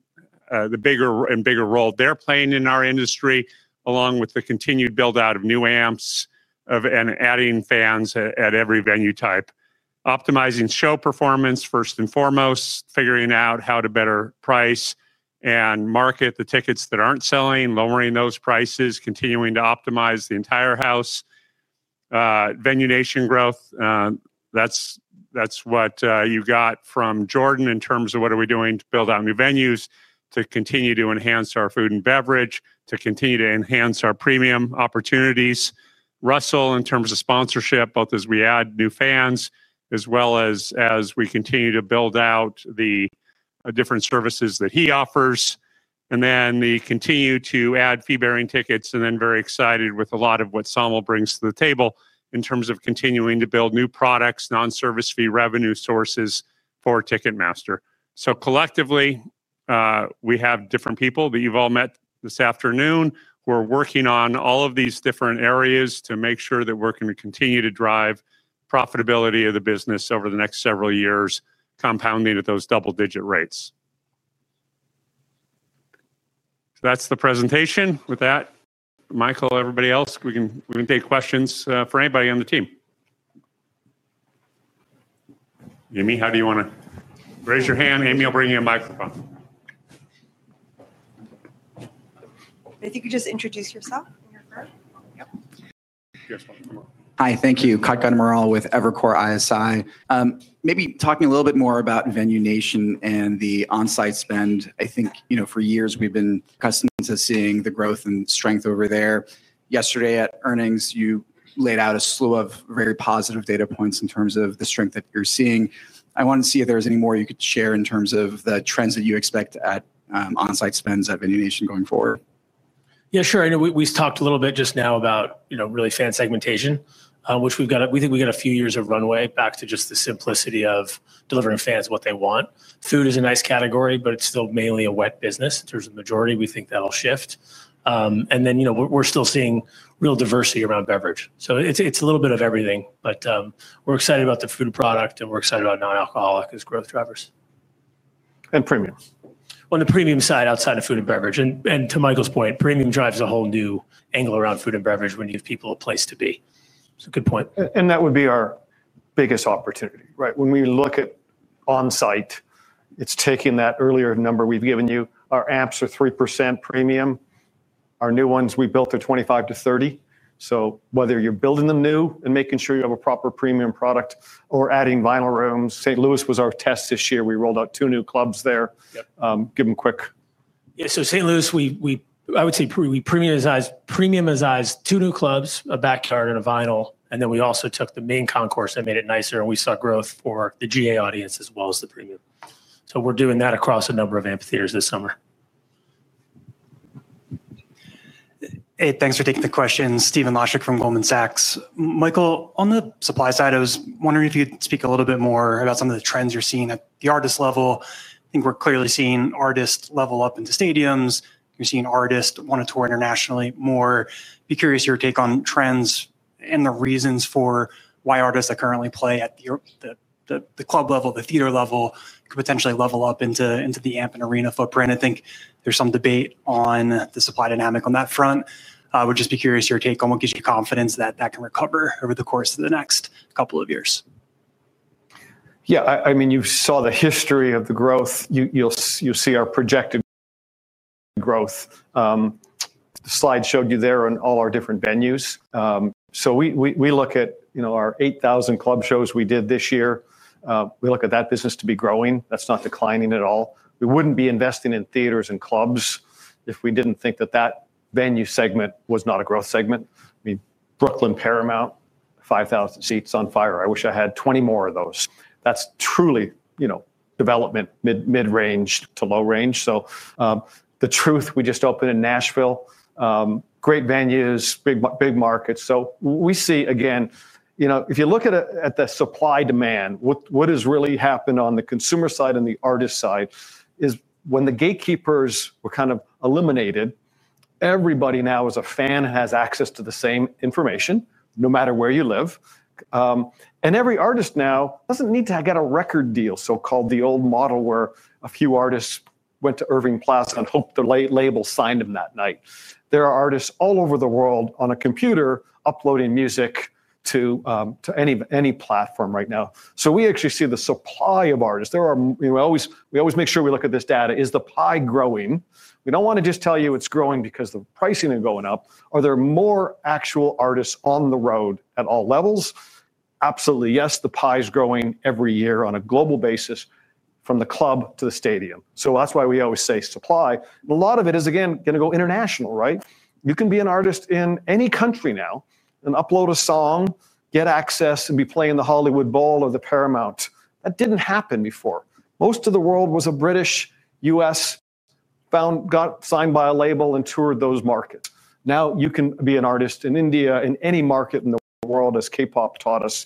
The bigger and bigger role they are playing in our industry, along with the continued build-out of new amps. Adding fans at every venue type. Optimizing show performance first and foremost, figuring out how to better price and market the tickets that are not selling, lowering those prices, continuing to optimize the entire house. Venue Nation growth. That is what you got from Jordan in terms of what are we doing to build out new venues, to continue to enhance our food and beverage, to continue to enhance our premium opportunities. Russell, in terms of sponsorship, both as we add new fans as well as as we continue to build out the different services that he offers. And then we continue to add fee-bearing tickets, and then very excited with a lot of what Saumil brings to the table in terms of continuing to build new products, non-service fee revenue sources for Ticketmaster. So collectively, we have different people that you've all met this afternoon. We're working on all of these different areas to make sure that we're going to continue to drive profitability of the business over the next several years, compounding at those double-digit rates. That's the presentation. With that, Michael, everybody else, we can take questions for anybody on the team. Amy, how do you want to raise your hand? Amy, I'll bring you a microphone. If you could just introduce yourself and your firm. Yep. Yes, Michael. Hi, thank you. Mark Mahaney with Evercore ISI. Maybe talking a little bit more about Venue Nation and the on-site spend. I think for years we've been accustomed to seeing the growth and strength over there. Yesterday at earnings, you laid out a slew of very positive data points in terms of the strength that you're seeing. I want to see if there's any more you could share in terms of the trends that you expect at on-site spends at Venue Nation going forward. Yeah, sure. I know we've talked a little bit just now about really fan segmentation, which we've got a we think we've got a few years of runway back to just the simplicity of delivering fans what they want. Food is a nice category, but it's still mainly a wet business. In terms of the majority, we think that'll shift. We are still seeing real diversity around beverage. It is a little bit of everything. We are excited about the food product, and we are excited about non-alcoholic as growth drivers. And premium. On the premium side outside of food and beverage. To Michael's point, premium drives a whole new angle around food and beverage when you give people a place to be. It is a good point. That would be our biggest opportunity, right? When we look at on-site, it is taking that earlier number we have given you. Our amps are 3% premium. Our new ones we built are 25%-30%. Whether you are building them new and making sure you have a proper premium product or adding Vinyl Rooms, St. Louis was our test this year. We rolled out two new clubs there. Give them quick. Yeah, St. Louis, I would say we premiumized. Two new clubs, a backyard and a Vinyl Room. We also took the main concourse and made it nicer. We saw growth for the GA audience as well as the premium. We are doing that across a number of amphitheaters this summer. Hey, thanks for taking the question. Stephen Laszczyk from Goldman Sachs. Michael, on the supply side, I was wondering if you would speak a little bit more about some of the trends you are seeing at the artist level. I think we are clearly seeing artists level up into stadiums. You are seeing artists want to tour internationally more. Be curious your take on trends and the reasons for why artists that currently play at the club level, the theater level, could potentially level up into the amp and arena footprint. I think there is some debate on the supply dynamic on that front. I would just be curious your take on what gives you confidence that that can recover over the course of the next couple of years. Yeah, I mean, you saw the history of the growth. You'll see our projected growth. The slide showed you there on all our different venues. We look at our 8,000 club shows we did this year. We look at that business to be growing. That's not declining at all. We wouldn't be investing in theaters and clubs if we didn't think that that venue segment was not a growth segment. I mean, Brooklyn Paramount, 5,000 seats on fire. I wish I had 20 more of those. That's truly development mid-range to low range. The truth, we just opened in Nashville. Great venues, big markets. We see, again, if you look at the supply demand, what has really happened on the consumer side and the artist side is when the gatekeepers were kind of eliminated, everybody now is a fan and has access to the same information, no matter where you live. Every artist now doesn't need to get a record deal, so-called the old model where a few artists went to Irving Plath and hoped the label signed them that night. There are artists all over the world on a computer uploading music to any platform right now. We actually see the supply of artists. We always make sure we look at this data. Is the pie growing? We don't want to just tell you it's growing because the pricing is going up. Are there more actual artists on the road at all levels? Absolutely, yes. The pie is growing every year on a global basis from the club to the stadium. That is why we always say supply. And a lot of it is, again, going to go international, right? You can be an artist in any country now and upload a song, get access, and be playing the Hollywood Bowl or the Paramount. That did not happen before. Most of the world was a British, U.S. found, got signed by a label, and toured those markets. Now you can be an artist in India, in any market in the world, as K-pop taught us.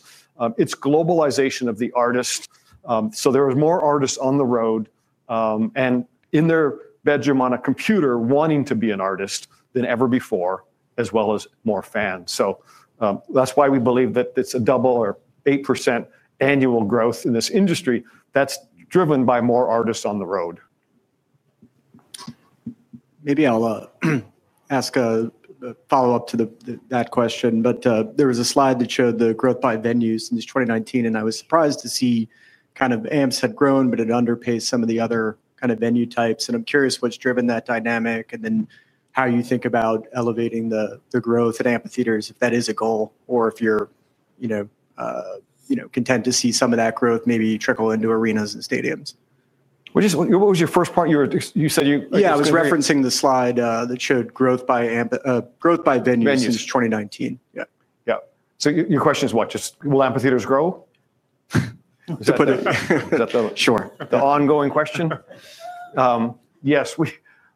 It is globalization of the artist. There are more artists on the road and in their bedroom on a computer wanting to be an artist than ever before, as well as more fans. That is why we believe that it is a double or 8% annual growth in this industry. That's driven by more artists on the road. Maybe I'll ask a follow-up to that question. There was a slide that showed the growth by venues in 2019. I was surprised to see kind of amps had grown, but it underpays some of the other kind of venue types. I'm curious what's driven that dynamic and then how you think about elevating the growth at amphitheaters, if that is a goal, or if you're content to see some of that growth maybe trickle into arenas and stadiums. What was your first point? You said you were. Referencing the slide that showed growth by venues in 2019. Yeah. Yeah. Your question is what? Just will amphitheaters grow? Sure. The ongoing question. Yes.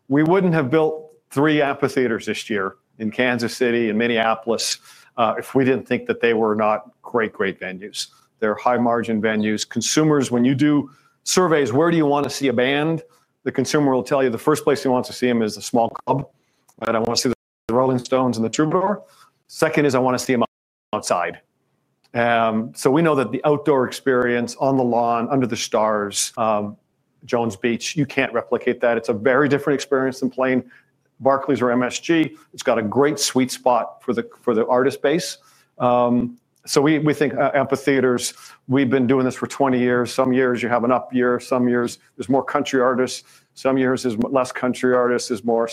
We wouldn't have built three amphitheaters this year in Kansas City and Minneapolis if we didn't think that they were not great, great venues. They're high-margin venues. Consumers, when you do surveys, where do you want to see a band? The consumer will tell you the first place he wants to see them is a small club. I don't want to see the Rolling Stones in the Troubadour. Second is I want to see them outside. We know that the outdoor experience on the lawn, under the stars. Jones Beach, you can't replicate that. It's a very different experience than playing Barclays or MSG. It's got a great sweet spot for the artist base. We think amphitheaters, we've been doing this for 20 years. Some years you have an up year. Some years there's more country artists. Some years there's less country artists. There's more.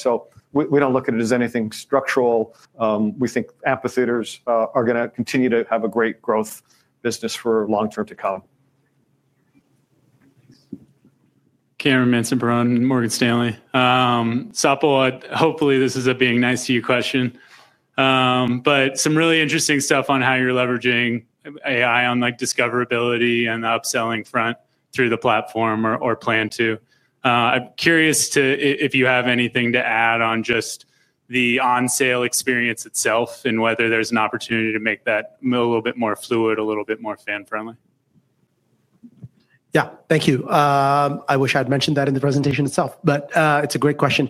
We don't look at it as anything structural. We think amphitheaters are going to continue to have a great growth business for long-term to come. Hey, Brian from Morgan Stanley, hopefully this is a being nice to you question. But some really interesting stuff on how you're leveraging AI on discoverability and the upselling front through the platform or plan to. I'm curious if you have anything to add on just the on-sale experience itself and whether there's an opportunity to make that a little bit more fluid, a little bit more fan-friendly. Yeah, thank you. I wish I had mentioned that in the presentation itself, but it's a great question.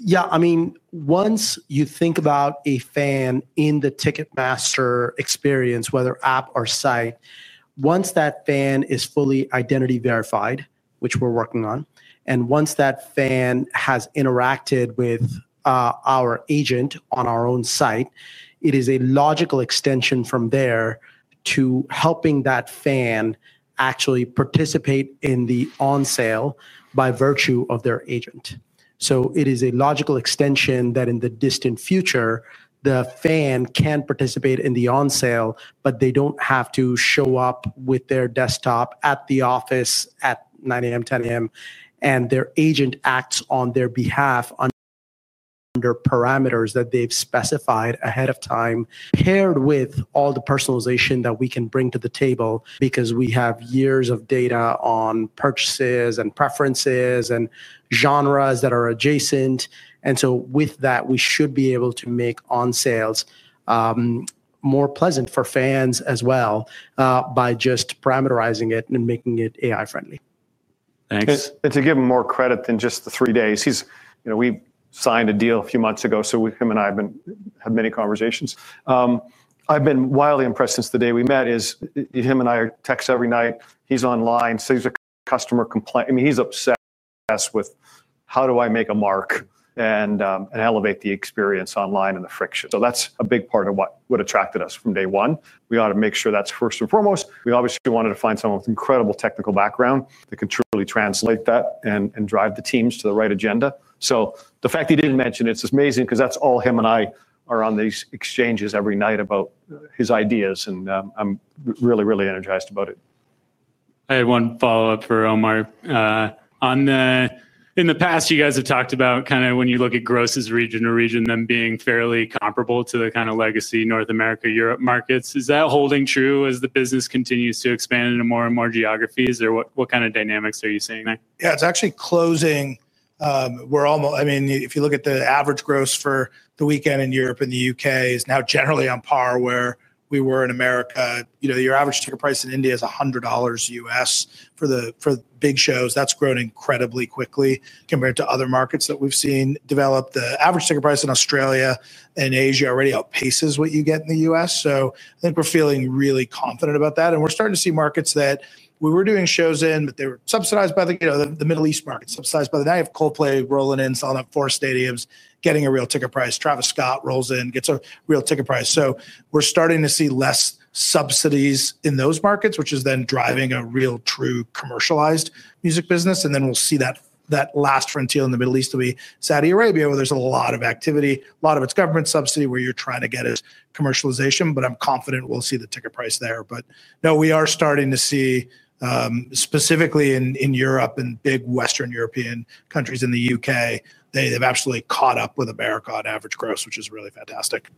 Yeah, I mean, once you think about a fan in the Ticketmaster experience, whether app or site, once that fan is fully identity verified, which we're working on, and once that fan has interacted with our agent on our own site, it is a logical extension from there to helping that fan actually participate in the on-sale by virtue of their agent. It is a logical extension that in the distant future, the fan can participate in the on-sale, but they do not have to show up with their desktop at the office at 9:00 A.M., 10:00 A.M., and their agent acts on their behalf. Under parameters that they have specified ahead of time, paired with all the personalization that we can bring to the table because we have years of data on purchases and preferences and genres that are adjacent. With that, we should be able to make on-sales more pleasant for fans as well by just parameterizing it and making it AI-friendly. Thanks. To give him more credit than just the three days, we signed a deal a few months ago, so him and I have many conversations. I have been wildly impressed since the day we met as him and I text every night. He is online. He's a customer complaint. I mean, he's obsessed with how do I make a mark and elevate the experience online and the friction. That's a big part of what attracted us from day one. We ought to make sure that's first and foremost. We obviously wanted to find someone with incredible technical background that can truly translate that and drive the teams to the right agenda. The fact he didn't mention it's amazing because that's all him and I are on these exchanges every night about his ideas. I'm really, really energized about it. I had one follow-up for Omar. In the past, you guys have talked about kind of when you look at grosses region to region, them being fairly comparable to the kind of legacy North America, Europe markets. Is that holding true as the business continues to expand into more and more geographies? Or what kind of dynamics are you seeing there? Yeah, it's actually closing. I mean, if you look at the average gross for the weekend in Europe and the U.K. is now generally on par where we were in America. Your average ticket price in India is $100 US for the big shows. That's grown incredibly quickly compared to other markets that we've seen develop. The average ticket price in Australia and Asia already outpaces what you get in the U.S. I think we're feeling really confident about that. We're starting to see markets that we were doing shows in, but they were subsidized by the Middle East market, subsidized by the now you have Coldplay rolling in, selling out four stadiums, getting a real ticket price. Travis Scott rolls in, gets a real ticket price. We're starting to see less subsidies in those markets, which is then driving a real true commercialized music business. We'll see that last frontier in the Middle East will be Saudi Arabia, where there's a lot of activity, a lot of its government subsidy where you're trying to get is commercialization. I'm confident we'll see the ticket price there. No, we are starting to see, specifically in Europe and big Western European countries, in the U.K., they've absolutely caught up with America on average gross, which is really fantastic.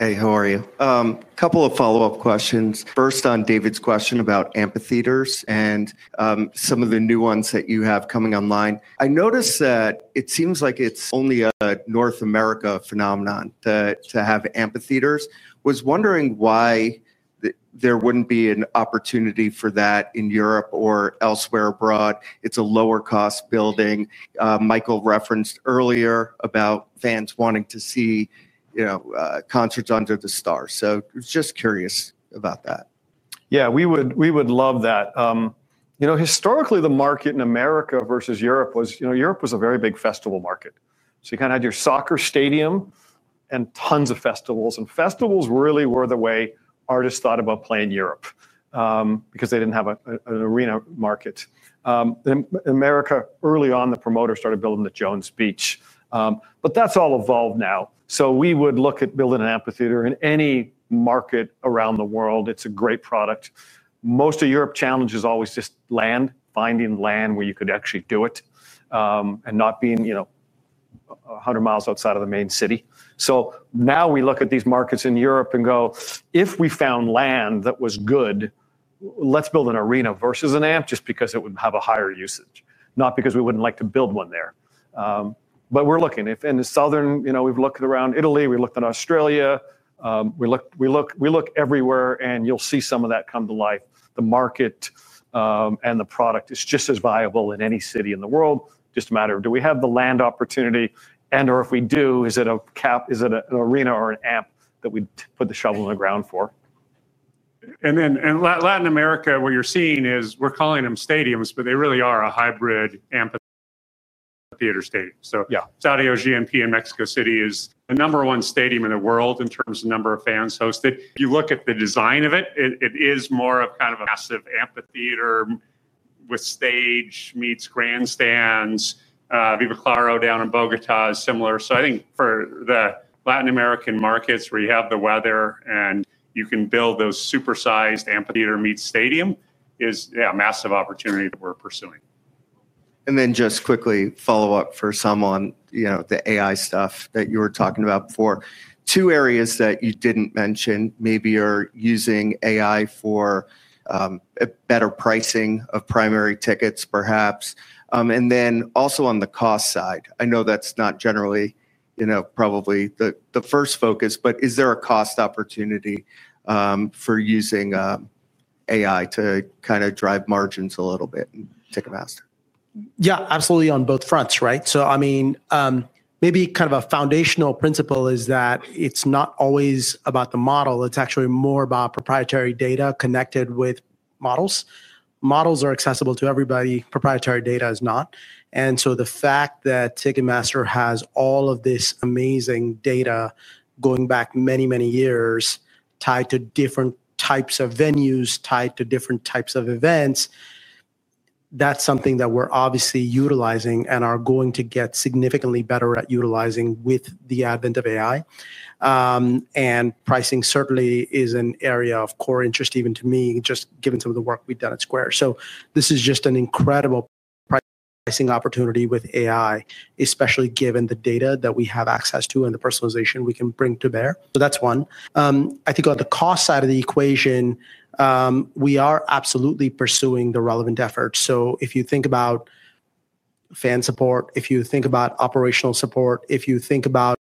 Hey, how are you? A couple of follow-up questions. First, on David's question about amphitheaters and some of the new ones that you have coming online. I noticed that it seems like it's only a North America phenomenon to have amphitheaters. I was wondering why. There wouldn't be an opportunity for that in Europe or elsewhere abroad. It's a lower-cost building. Michael referenced earlier about fans wanting to see concerts under the stars. Just curious about that. Yeah, we would love that. Historically, the market in America versus Europe was Europe was a very big festival market. You kind of had your soccer stadium and tons of festivals. Festivals really were the way artists thought about playing Europe because they didn't have an arena market. In America, early on, the promoters started building the Jones Beach. That's all evolved now. We would look at building an amphitheater in any market around the world. It's a great product. Most of Europe's challenge is always just land, finding land where you could actually do it and not being 100 miles outside of the main city. Now we look at these markets in Europe and go, if we found land that was good. Let's build an arena versus an amp just because it would have a higher usage, not because we wouldn't like to build one there. We are looking. In the southern, we've looked around Italy. We looked at Australia. We look everywhere, and you'll see some of that come to life. The market and the product is just as viable in any city in the world. Just a matter of do we have the land opportunity? If we do, is it an arena or an amp that we put the shovel in the ground for? In Latin America, what you're seeing is we're calling them stadiums, but they really are a hybrid amphitheater stadium. Saudi OGMP in Mexico City is the number one stadium in the world in terms of the number of fans hosted. If you look at the design of it, it is more of kind of a massive amphitheater, with stage meets grandstands. Viva Claro down in Bogotá is similar. I think for the Latin American markets where you have the weather and you can build those super-sized amphitheater meets stadium is a massive opportunity that we're pursuing. Just quickly, follow up for some on the AI stuff that you were talking about before. Two areas that you didn't mention maybe are using AI for better pricing of primary tickets, perhaps. Also, on the cost side, I know that's not generally probably the first focus, but is there a cost opportunity for using AI to kind of drive margins a little bit in Ticketmaster? Yeah, absolutely on both fronts, right? I mean, maybe kind of a foundational principle is that it's not always about the model. It's actually more about proprietary data connected with models. Models are accessible to everybody. Proprietary data is not. The fact that Ticketmaster has all of this amazing data going back many, many years tied to different types of venues, tied to different types of events, that's something that we're obviously utilizing and are going to get significantly better at utilizing with the advent of AI. Pricing certainly is an area of core interest, even to me, just given some of the work we've done at Square. This is just an incredible pricing opportunity with AI, especially given the data that we have access to and the personalization we can bring to bear. That's one. I think on the cost side of the equation, we are absolutely pursuing the relevant effort. If you think about fan support, if you think about operational support, if you think about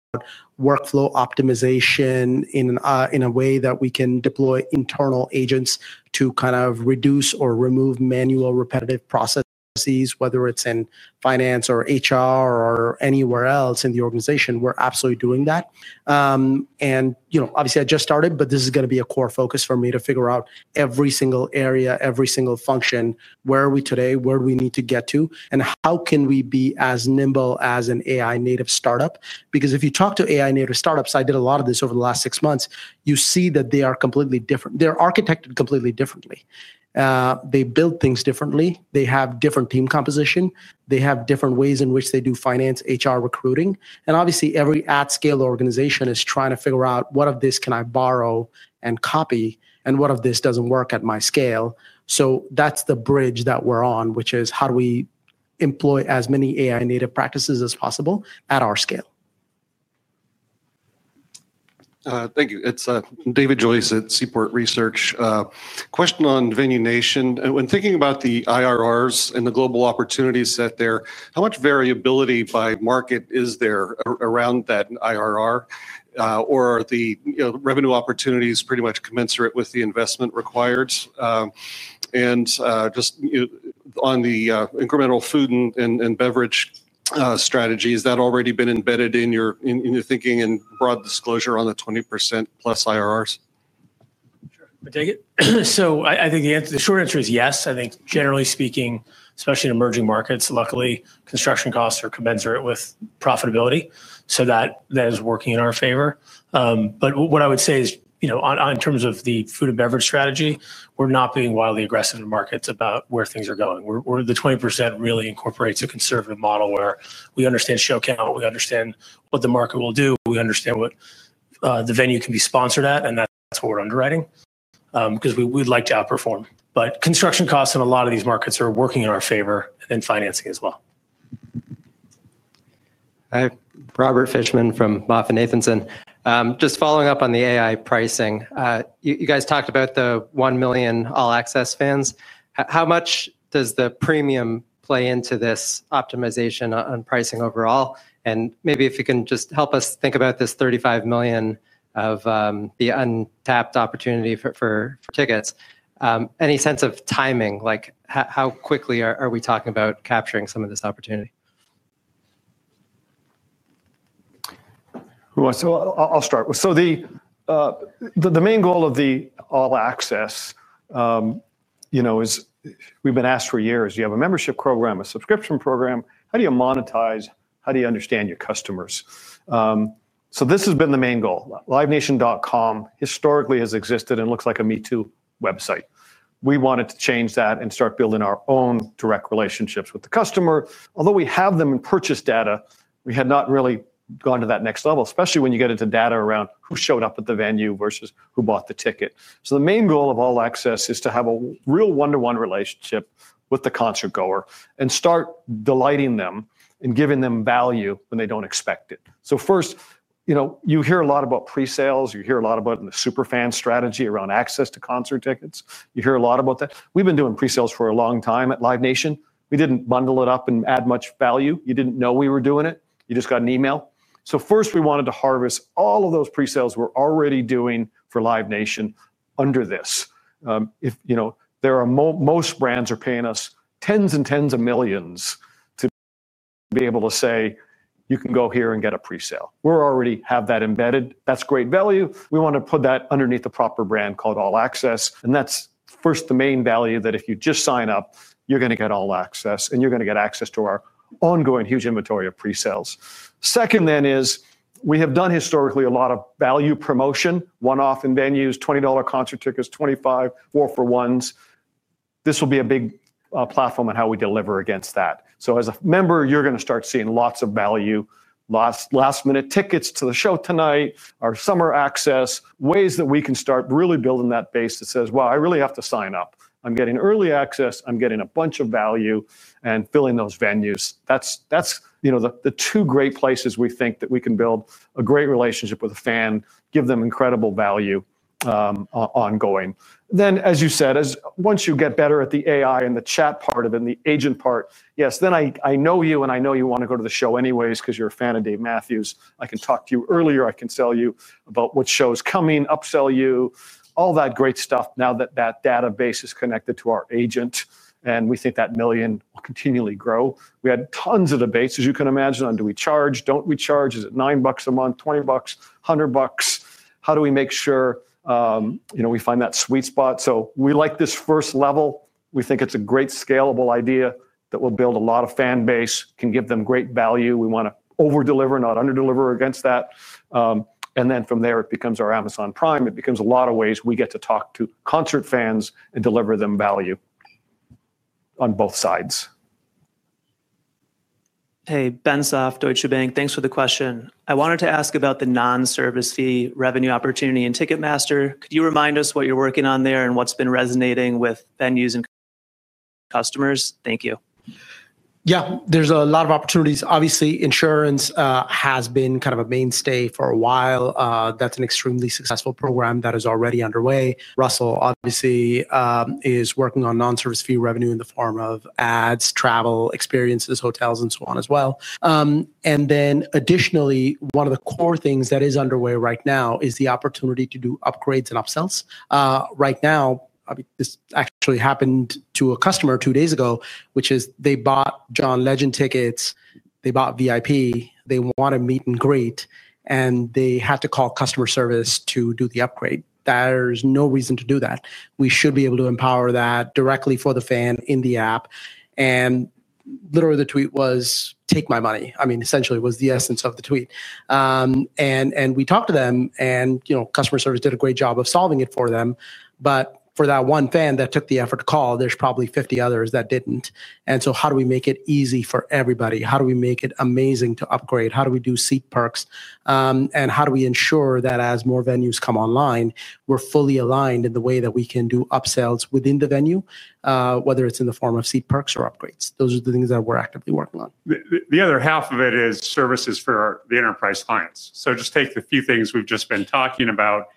workflow optimization in a way that we can deploy internal agents to kind of reduce or remove manual repetitive processes, whether it's in finance or HR or anywhere else in the organization, we're absolutely doing that. Obviously, I just started, but this is going to be a core focus for me to figure out every single area, every single function, where are we today, where do we need to get to, and how can we be as nimble as an AI-native startup? If you talk to AI-native startups, I did a lot of this over the last six months, you see that they are completely different. They're architected completely differently. They build things differently. They have different team composition. They have different ways in which they do finance, HR, recruiting. And obviously, every at-scale organization is trying to figure out what of this can I borrow and copy and what of this does not work at my scale. That is the bridge that we are on, which is how do we employ as many AI-native practices as possible at our scale. Thank you. It is David Joyce at Seaport Research. Question on Venue Nation. When thinking about the IRRs and the global opportunities that are there, how much variability by market is there around that IRR? Or are the revenue opportunities pretty much commensurate with the investment required? Just on the incremental food and beverage strategy, has that already been embedded in your thinking and broad disclosure on the 20%+ IRRs? Sure. I will take it. I think the short answer is yes. I think generally speaking, especially in emerging markets, luckily, construction costs are commensurate with profitability. That is working in our favor. What I would say is, in terms of the food and beverage strategy, we're not being wildly aggressive in markets about where things are going. The 20% really incorporates a conservative model where we understand show count, we understand what the market will do, we understand what the venue can be sponsored at, and that's what we're underwriting. We'd like to outperform. Construction costs in a lot of these markets are working in our favor and financing as well. I have Robert Fishman from MoffettNathanson. Just following up on the AI pricing, you guys talked about the 1 million All Access fans. How much does the premium play into this optimization on pricing overall? Maybe if you can just help us think about this 35 million of the untapped opportunity for tickets. Any sense of timing, like how quickly are we talking about capturing some of this opportunity? I'll start. The main goal of the All Access is we've been asked for years, you have a membership program, a subscription program, how do you monetize, how do you understand your customers? This has been the main goal. LiveNation.com historically has existed and looks like a MeToo website. We wanted to change that and start building our own direct relationships with the customer. Although we have them in purchase data, we had not really gone to that next level, especially when you get into data around who showed up at the venue versus who bought the ticket. The main goal of All Access is to have a real one-to-one relationship with the concertgoer and start delighting them and giving them value when they don't expect it. First, you hear a lot about pre-sales. You hear a lot about the super fan strategy around access to concert tickets. You hear a lot about that. We've been doing pre-sales for a long time at Live Nation. We didn't bundle it up and add much value. You didn't know we were doing it. You just got an email. First, we wanted to harvest all of those pre-sales we're already doing for Live Nation under this. Most brands are paying us tens and tens of millions to be able to say, you can go here and get a pre-sale. We already have that embedded. That's great value. We want to put that underneath the proper brand called All Access. That is first, the main value that if you just sign up, you are going to get All Access and you are going to get access to our ongoing huge inventory of pre-sales. Second, then is we have done historically a lot of value promotion, one-off in venues, $20 concert tickets, $25, four-for-ones. This will be a big platform on how we deliver against that. As a member, you are going to start seeing lots of value, last-minute tickets to the show tonight, our summer access, ways that we can start really building that base that says, well, I really have to sign up. I am getting early access. I am getting a bunch of value and filling those venues. That is the two great places we think that we can build a great relationship with a fan, give them incredible value. Ongoing. As you said, once you get better at the AI and the chat part of it and the agent part, yes, then I know you and I know you want to go to the show anyways because you're a fan of Dave Matthews. I can talk to you earlier. I can sell you about what show is coming, upsell you, all that great stuff now that that database is connected to our agent. We think that million will continually grow. We had tons of debates, as you can imagine, on do we charge, do not we charge, is it $9 a month, $20, $100? How do we make sure we find that sweet spot? We like this first level. We think it's a great scalable idea that will build a lot of fan base, can give them great value. We want to overdeliver, not underdeliver against that. And then from there, it becomes our Amazon Prime. It becomes a lot of ways we get to talk to concert fans and deliver them value. On both sides. Hey, Benjamin Soff, Deutsche Bank. Thanks for the question. I wanted to ask about the non-service fee revenue opportunity in Ticketmaster. Could you remind us what you're working on there and what's been resonating with venues and customers? Thank you. Yeah, there's a lot of opportunities. Obviously, insurance has been kind of a mainstay for a while. That's an extremely successful program that is already underway. Russell, obviously, is working on non-service fee revenue in the form of ads, travel, experiences, hotels, and so on as well. And then additionally, one of the core things that is underway right now is the opportunity to do upgrades and upsells. Right now. This actually happened to a customer two days ago, which is they bought John Legend tickets, they bought VIP, they want to meet and greet, and they had to call customer service to do the upgrade. There's no reason to do that. We should be able to empower that directly for the fan in the app. And literally, the tweet was, "Take my money." I mean, essentially, it was the essence of the tweet. We talked to them, and customer service did a great job of solving it for them. For that one fan that took the effort to call, there's probably 50 others that didn't. How do we make it easy for everybody? How do we make it amazing to upgrade? How do we do seat perks? How do we ensure that as more venues come online, we're fully aligned in the way that we can do upsells within the venue, whether it's in the form of seat perks or upgrades? Those are the things that we're actively working on. The other half of it is services for the enterprise clients. Just take the few things we've just been talking about,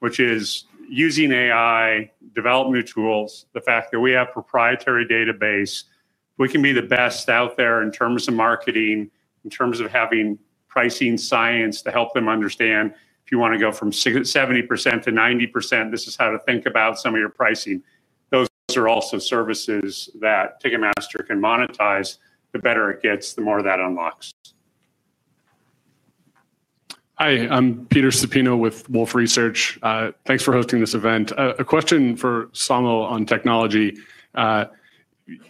which is using AI, development tools, the fact that we have a proprietary database, we can be the best out there in terms of marketing, in terms of having pricing science to help them understand if you want to go from 70% to 90%, this is how to think about some of your pricing. Those are also services that Ticketmaster can monetize. The better it gets, the more that unlocks. Hi, I'm Peter Supino with Wolf Research. Thanks for hosting this event. A question for Samo on technology.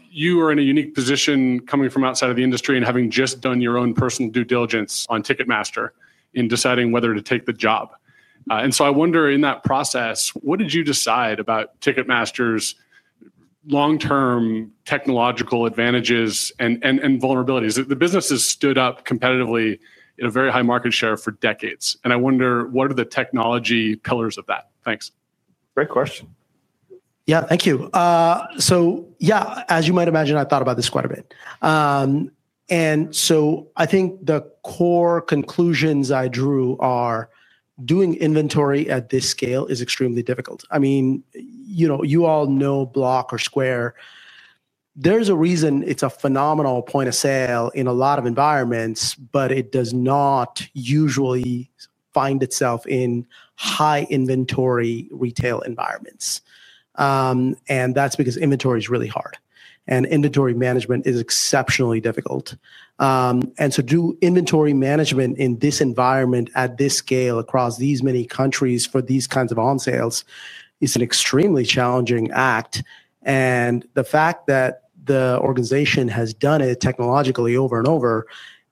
You are in a unique position coming from outside of the industry and having just done your own personal due diligence on Ticketmaster in deciding whether to take the job. I wonder, in that process, what did you decide about Ticketmaster's long-term technological advantages and vulnerabilities? The business has stood up competitively in a very high market share for decades. I wonder, what are the technology pillars of that? Thanks. Great question. Yeah, thank you. Yeah, as you might imagine, I thought about this quite a bit. I think the core conclusions I drew are doing inventory at this scale is extremely difficult. I mean, you all know Block or Square. There is a reason it is a phenomenal point of sale in a lot of environments, but it does not usually find itself in high inventory retail environments. That is because inventory is really hard. Inventory management is exceptionally difficult. To do inventory management in this environment at this scale across these many countries for these kinds of onsales is an extremely challenging act. The fact that the organization has done it technologically over and over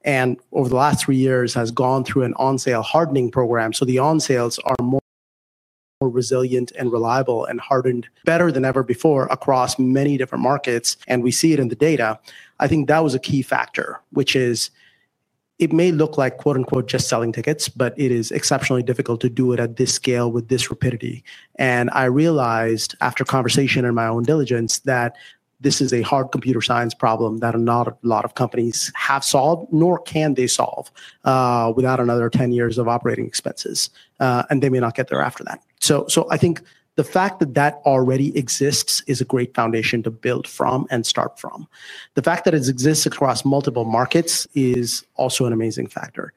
the last three years has gone through an onsale hardening program. The onsales are more resilient and reliable and hardened better than ever before across many different markets. We see it in the data. I think that was a key factor, which is, it may look like "just selling tickets," but it is exceptionally difficult to do it at this scale with this rapidity. I realized after conversation and my own diligence that this is a hard computer science problem that not a lot of companies have solved, nor can they solve without another 10 years of operating expenses. They may not get there after that. I think the fact that that already exists is a great foundation to build from and start from. The fact that it exists across multiple markets is also an amazing factor.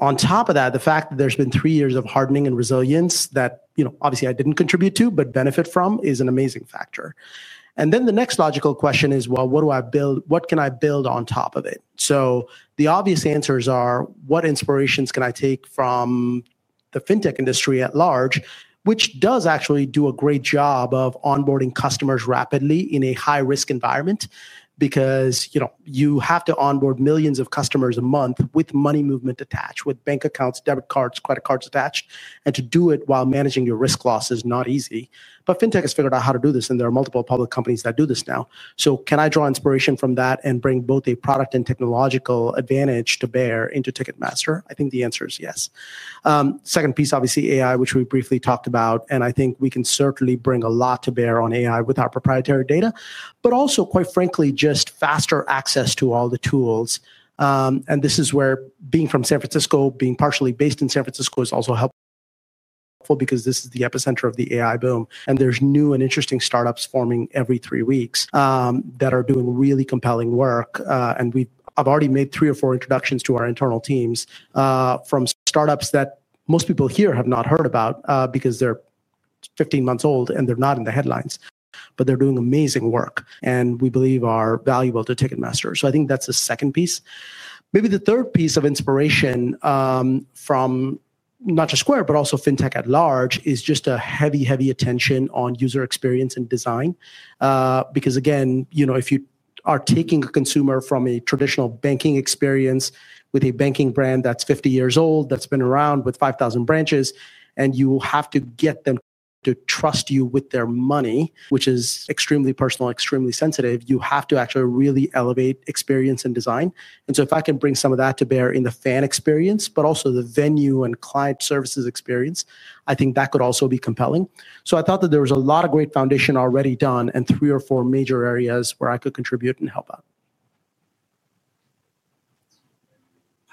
On top of that, the fact that there have been three years of hardening and resilience that obviously I did not contribute to, but benefit from, is an amazing factor. The next logical question is, what do I build? What can I build on top of it? The obvious answers are, what inspirations can I take from. The fintech industry at large, which does actually do a great job of onboarding customers rapidly in a high-risk environment because you have to onboard millions of customers a month with money movement attached, with bank accounts, debit cards, credit cards attached. To do it while managing your risk loss is not easy. Fintech has figured out how to do this, and there are multiple public companies that do this now. Can I draw inspiration from that and bring both a product and technological advantage to bear into Ticketmaster? I think the answer is yes. Second piece, obviously, AI, which we briefly talked about, and I think we can certainly bring a lot to bear on AI with our proprietary data, but also, quite frankly, just faster access to all the tools. This is where being from San Francisco, being partially based in San Francisco is also helpful because this is the epicenter of the AI boom. There are new and interesting startups forming every three weeks that are doing really compelling work. I have already made three or four introductions to our internal teams from startups that most people here have not heard about because they are 15 months old and they are not in the headlines, but they are doing amazing work and we believe are valuable to Ticketmaster. I think that is the second piece. Maybe the third piece of inspiration from not just Square, but also fintech at large is just a heavy, heavy attention on user experience and design. Because again, if you are taking a consumer from a traditional banking experience with a banking brand that's 50 years old, that's been around with 5,000 branches, and you have to get them to trust you with their money, which is extremely personal, extremely sensitive, you have to actually really elevate experience and design. If I can bring some of that to bear in the fan experience, but also the venue and client services experience, I think that could also be compelling. I thought that there was a lot of great foundation already done and three or four major areas where I could contribute and help out.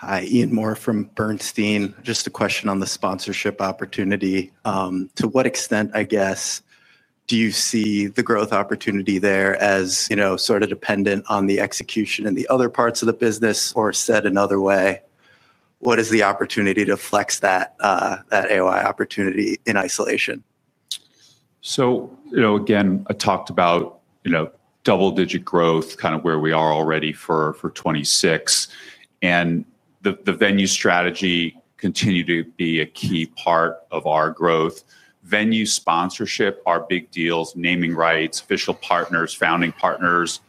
Hi, Ian Moore from Bernstein. Just a question on the sponsorship opportunity. To what extent, I guess, do you see the growth opportunity there as sort of dependent on the execution and the other parts of the business, or said another way, what is the opportunity to flex that AI opportunity in isolation? Again, I talked about double-digit growth, kind of where we are already for 2026. The venue strategy continued to be a key part of our growth. Venue sponsorship, our big deals, naming rights, official partners, founding partners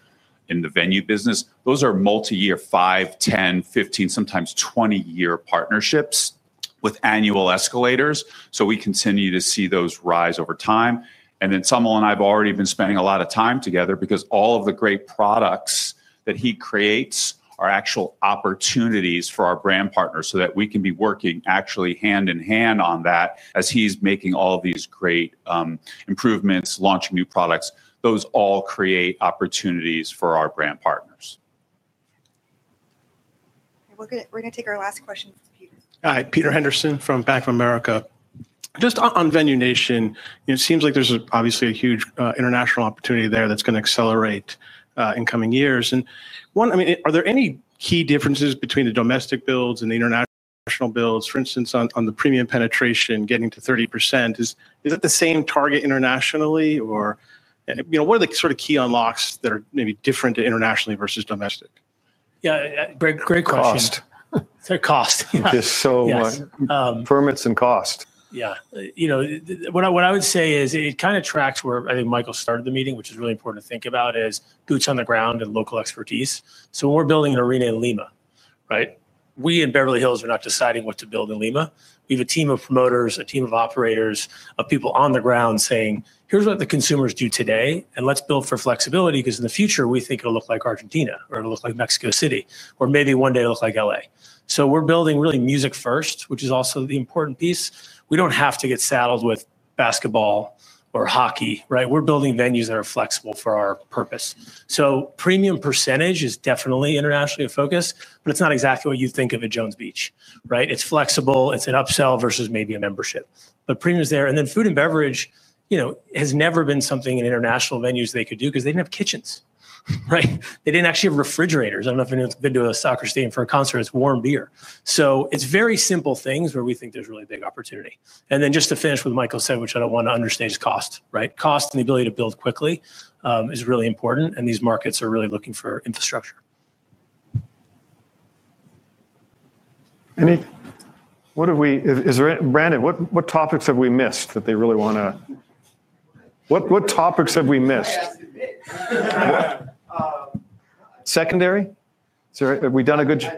in the venue business, those are multi-year, 5, 10, 15, sometimes 20-year partnerships with annual escalators. We continue to see those rise over time. Saumil and I have already been spending a lot of time together because all of the great products that he creates are actual opportunities for our brand partners so that we can be working actually hand in hand on that as he's making all of these great improvements, launching new products. Those all create opportunities for our brand partners. We're going to take our last question. Hi, Peter Henderson from Bank of America. Just on Venue Nation, it seems like there's obviously a huge international opportunity there that's going to accelerate in coming years. Are there any key differences between the domestic builds and the international builds? For instance, on the premium penetration, getting to 30%, is that the same target internationally? What are the sort of key unlocks that are maybe different internationally versus domestic? Yeah, great question. Cost. Cost. There's so much. Permits and cost. Yeah. What I would say is it kind of tracks where I think Michael started the meeting, which is really important to think about, is boots on the ground and local expertise. When we're building an arena in Lima, right? We in Beverly Hills are not deciding what to build in Lima. We have a team of promoters, a team of operators, of people on the ground saying, "Here's what the consumers do today, and let's build for flexibility because in the future, we think it'll look like Argentina or it'll look like Mexico City, or maybe one day it'll look like LA." We're building really music first, which is also the important piece. We do not have to get saddled with basketball or hockey, right? We're building venues that are flexible for our purpose. Premium percentage is definitely internationally a focus, but it's not exactly what you think of at Jones Beach, right? It's flexible. It's an upsell versus maybe a membership. Premium is there. And then food and beverage has never been something in international venues they could do because they didn't have kitchens, right? They didn't actually have refrigerators. I don't know if anyone's been to a soccer stadium for a concert that's warm beer. It's very simple things where we think there's really big opportunity. Just to finish with what Michael said, which I don't want to understate, is cost, right? Cost and the ability to build quickly is really important. These markets are really looking for infrastructure. Any—Is there, Brandon, what topics have we missed that they really want to—What topics have we missed? Secondary? Have we done a good job?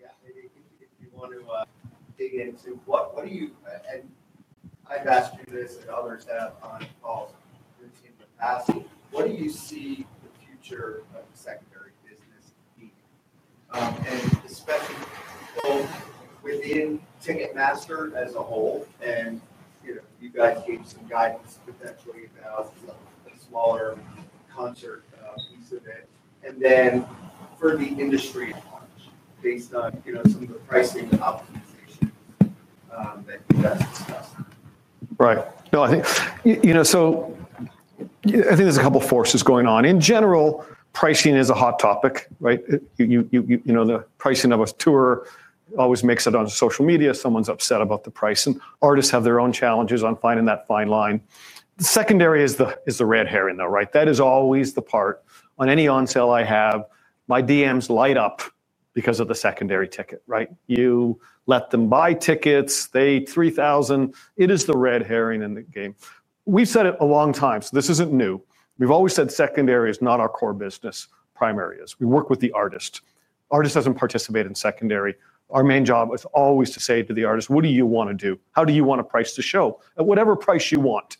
Yeah. Maybe if you want to dig into what do you—and I've asked you this and others have on calls in the past—what do you see the future of the secondary business being? Especially both within Ticketmaster as a whole, and you guys gave some guidance potentially about a smaller concert piece of it. Then for the industry launch based on some of the pricing optimizations that you guys discussed. Right. I think there's a couple of forces going on. In general, pricing is a hot topic, right? The pricing of a tour always makes it on social media. Someone's upset about the price. Artists have their own challenges on finding that fine line. The secondary is the red herring, though, right? That is always the part. On any onsale I have, my DMs light up because of the secondary ticket, right? You let them buy tickets. They 3,000. It is the red herring in the game. We've said it a long time. This isn't new. We've always said secondary is not our core business. Primary is. We work with the artist. Artist doesn't participate in secondary. Our main job is always to say to the artist, "What do you want to do? How do you want to price the show? At whatever price you want."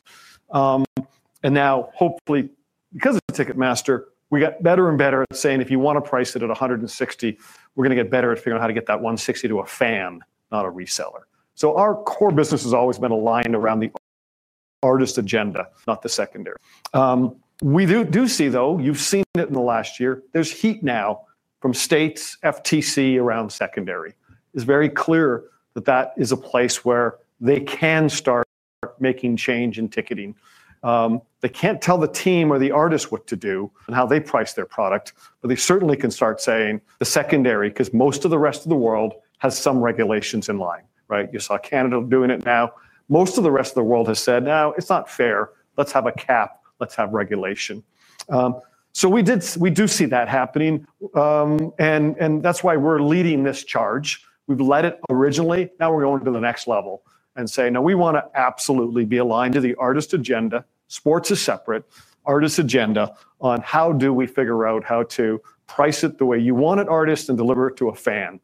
Now, hopefully, because of Ticketmaster, we got better and better at saying, "If you want to price it at 160, we're going to get better at figuring out how to get that 160 to a fan, not a reseller." Our core business has always been aligned around the artist agenda, not the secondary. We do see, though, you've seen it in the last year, there's heat now from states, FTC around secondary. It's very clear that is a place where they can start making change in ticketing. They can't tell the team or the artist what to do and how they price their product, but they certainly can start saying the secondary because most of the rest of the world has some regulations in line, right? You saw Canada doing it now. Most of the rest of the world has said, "No, it's not fair. Let's have a cap. Let's have regulation." We do see that happening. That's why we're leading this charge. We've led it originally. Now we're going to the next level and say, "No, we want to absolutely be aligned to the artist agenda." Sports is separate. Artist agenda on how do we figure out how to price it the way you want an artist and deliver it to a fan.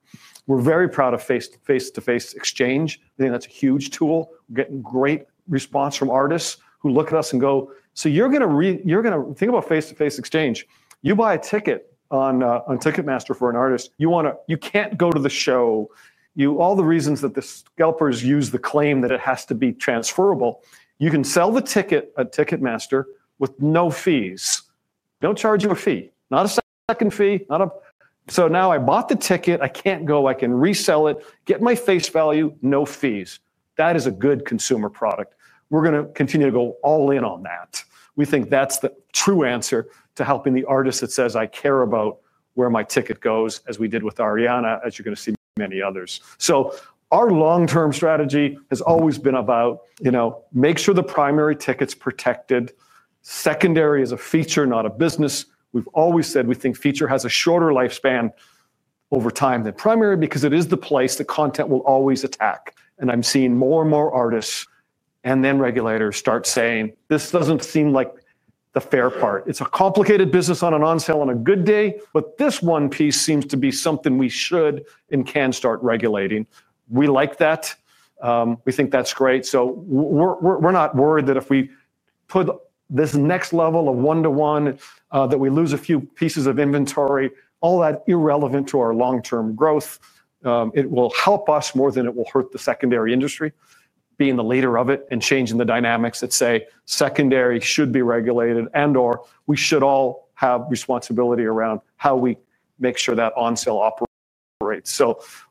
We're very proud of Face Value Exchange. I think that's a huge tool. We're getting great response from artists who look at us and go, "So you're going to think about Face Value Exchange. You buy a ticket on Ticketmaster for an artist. You can't go to the show. All the reasons that the scalpers use, the claim that it has to be transferable. You can sell the ticket at Ticketmaster with no fees. Don't charge you a fee. Not a second fee." Now I bought the ticket. I can't go. I can resell it, get my face value, no fees. That is a good consumer product. We're going to continue to go all in on that. We think that's the true answer to helping the artist that says, "I care about where my ticket goes," as we did with Ariana, as you're going to see many others. Our long-term strategy has always been about making sure the primary ticket's protected. Secondary is a feature, not a business. We've always said we think feature has a shorter lifespan over time than primary because it is the place the content will always attack. I'm seeing more and more artists and then regulators start saying, "This doesn't seem like the fair part. It's a complicated business on an onsale on a good day, but this one piece seems to be something we should and can start regulating." We like that. We think that's great. We're not worried that if we put this next level of one-to-one that we lose a few pieces of inventory, all that is irrelevant to our long-term growth. It will help us more than it will hurt the secondary industry, being the leader of it and changing the dynamics that say secondary should be regulated and/or we should all have responsibility around how we make sure that onsale operates.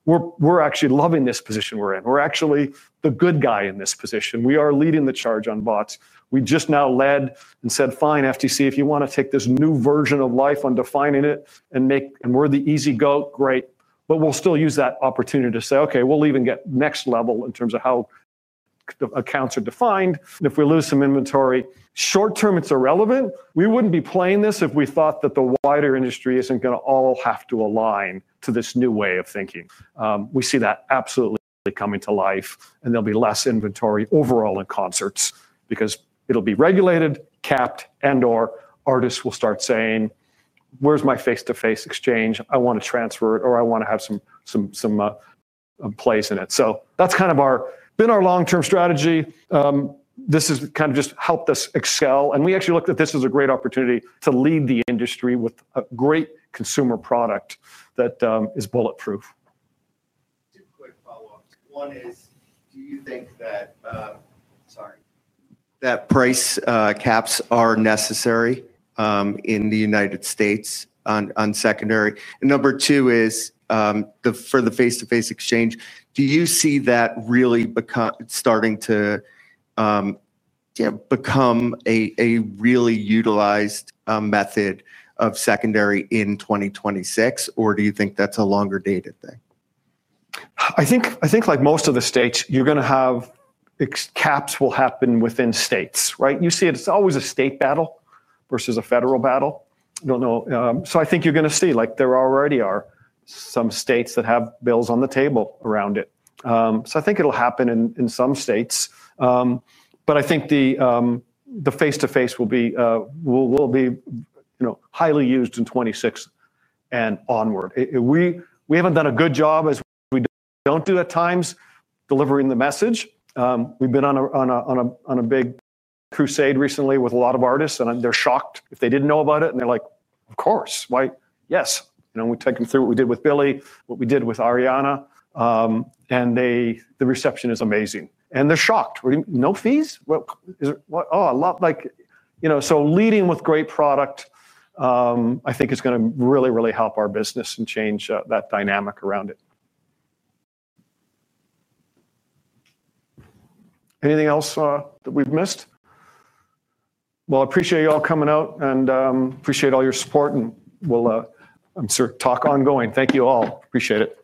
We're actually loving this position we're in. We're actually the good guy in this position. We are leading the charge on bots. We just now led and said, "Fine, FTC, if you want to take this new version of life on defining it and we're the easy goat, great." We'll still use that opportunity to say, "Okay, we'll even get next level in terms of how the accounts are defined." If we lose some inventory, short-term, it's irrelevant. We wouldn't be playing this if we thought that the wider industry isn't going to all have to align to this new way of thinking. We see that absolutely coming to life, and there'll be less inventory overall in concerts because it'll be regulated, capped, and/or artists will start saying, "Where's my face-to-face exchange? I want to transfer it," or, "I want to have some. Plays in it." That is kind of been our long-term strategy. This has kind of just helped us excel. We actually looked at this as a great opportunity to lead the industry with a great consumer product that is bulletproof. Two quick follow-ups. One is, do you think that, sorry, that price caps are necessary in the U.S. on secondary? Number two is, for the face-to-face exchange, do you see that really starting to. Become a really utilized method of secondary in 2026, or do you think that's a longer-dated thing? I think like most of the states, you're going to have. Caps will happen within states, right? You see it's always a state battle versus a federal battle. I think you're going to see like there already are some states that have bills on the table around it. I think it'll happen in some states. I think the face-to-face will be highly used in 2026 and onward. We haven't done a good job as we don't do at times delivering the message. We've been on a big crusade recently with a lot of artists, and they're shocked if they didn't know about it. They're like, "Of course. Why yes." We take them through what we did with Billy, what we did with Ariana. The reception is amazing. They're shocked. No fees? Oh, a lot. Leading with great product, I think, is going to really, really help our business and change that dynamic around it. Anything else that we've missed? I appreciate you all coming out and appreciate all your support, and we'll, I'm sure, talk ongoing. Thank you all. Appreciate it.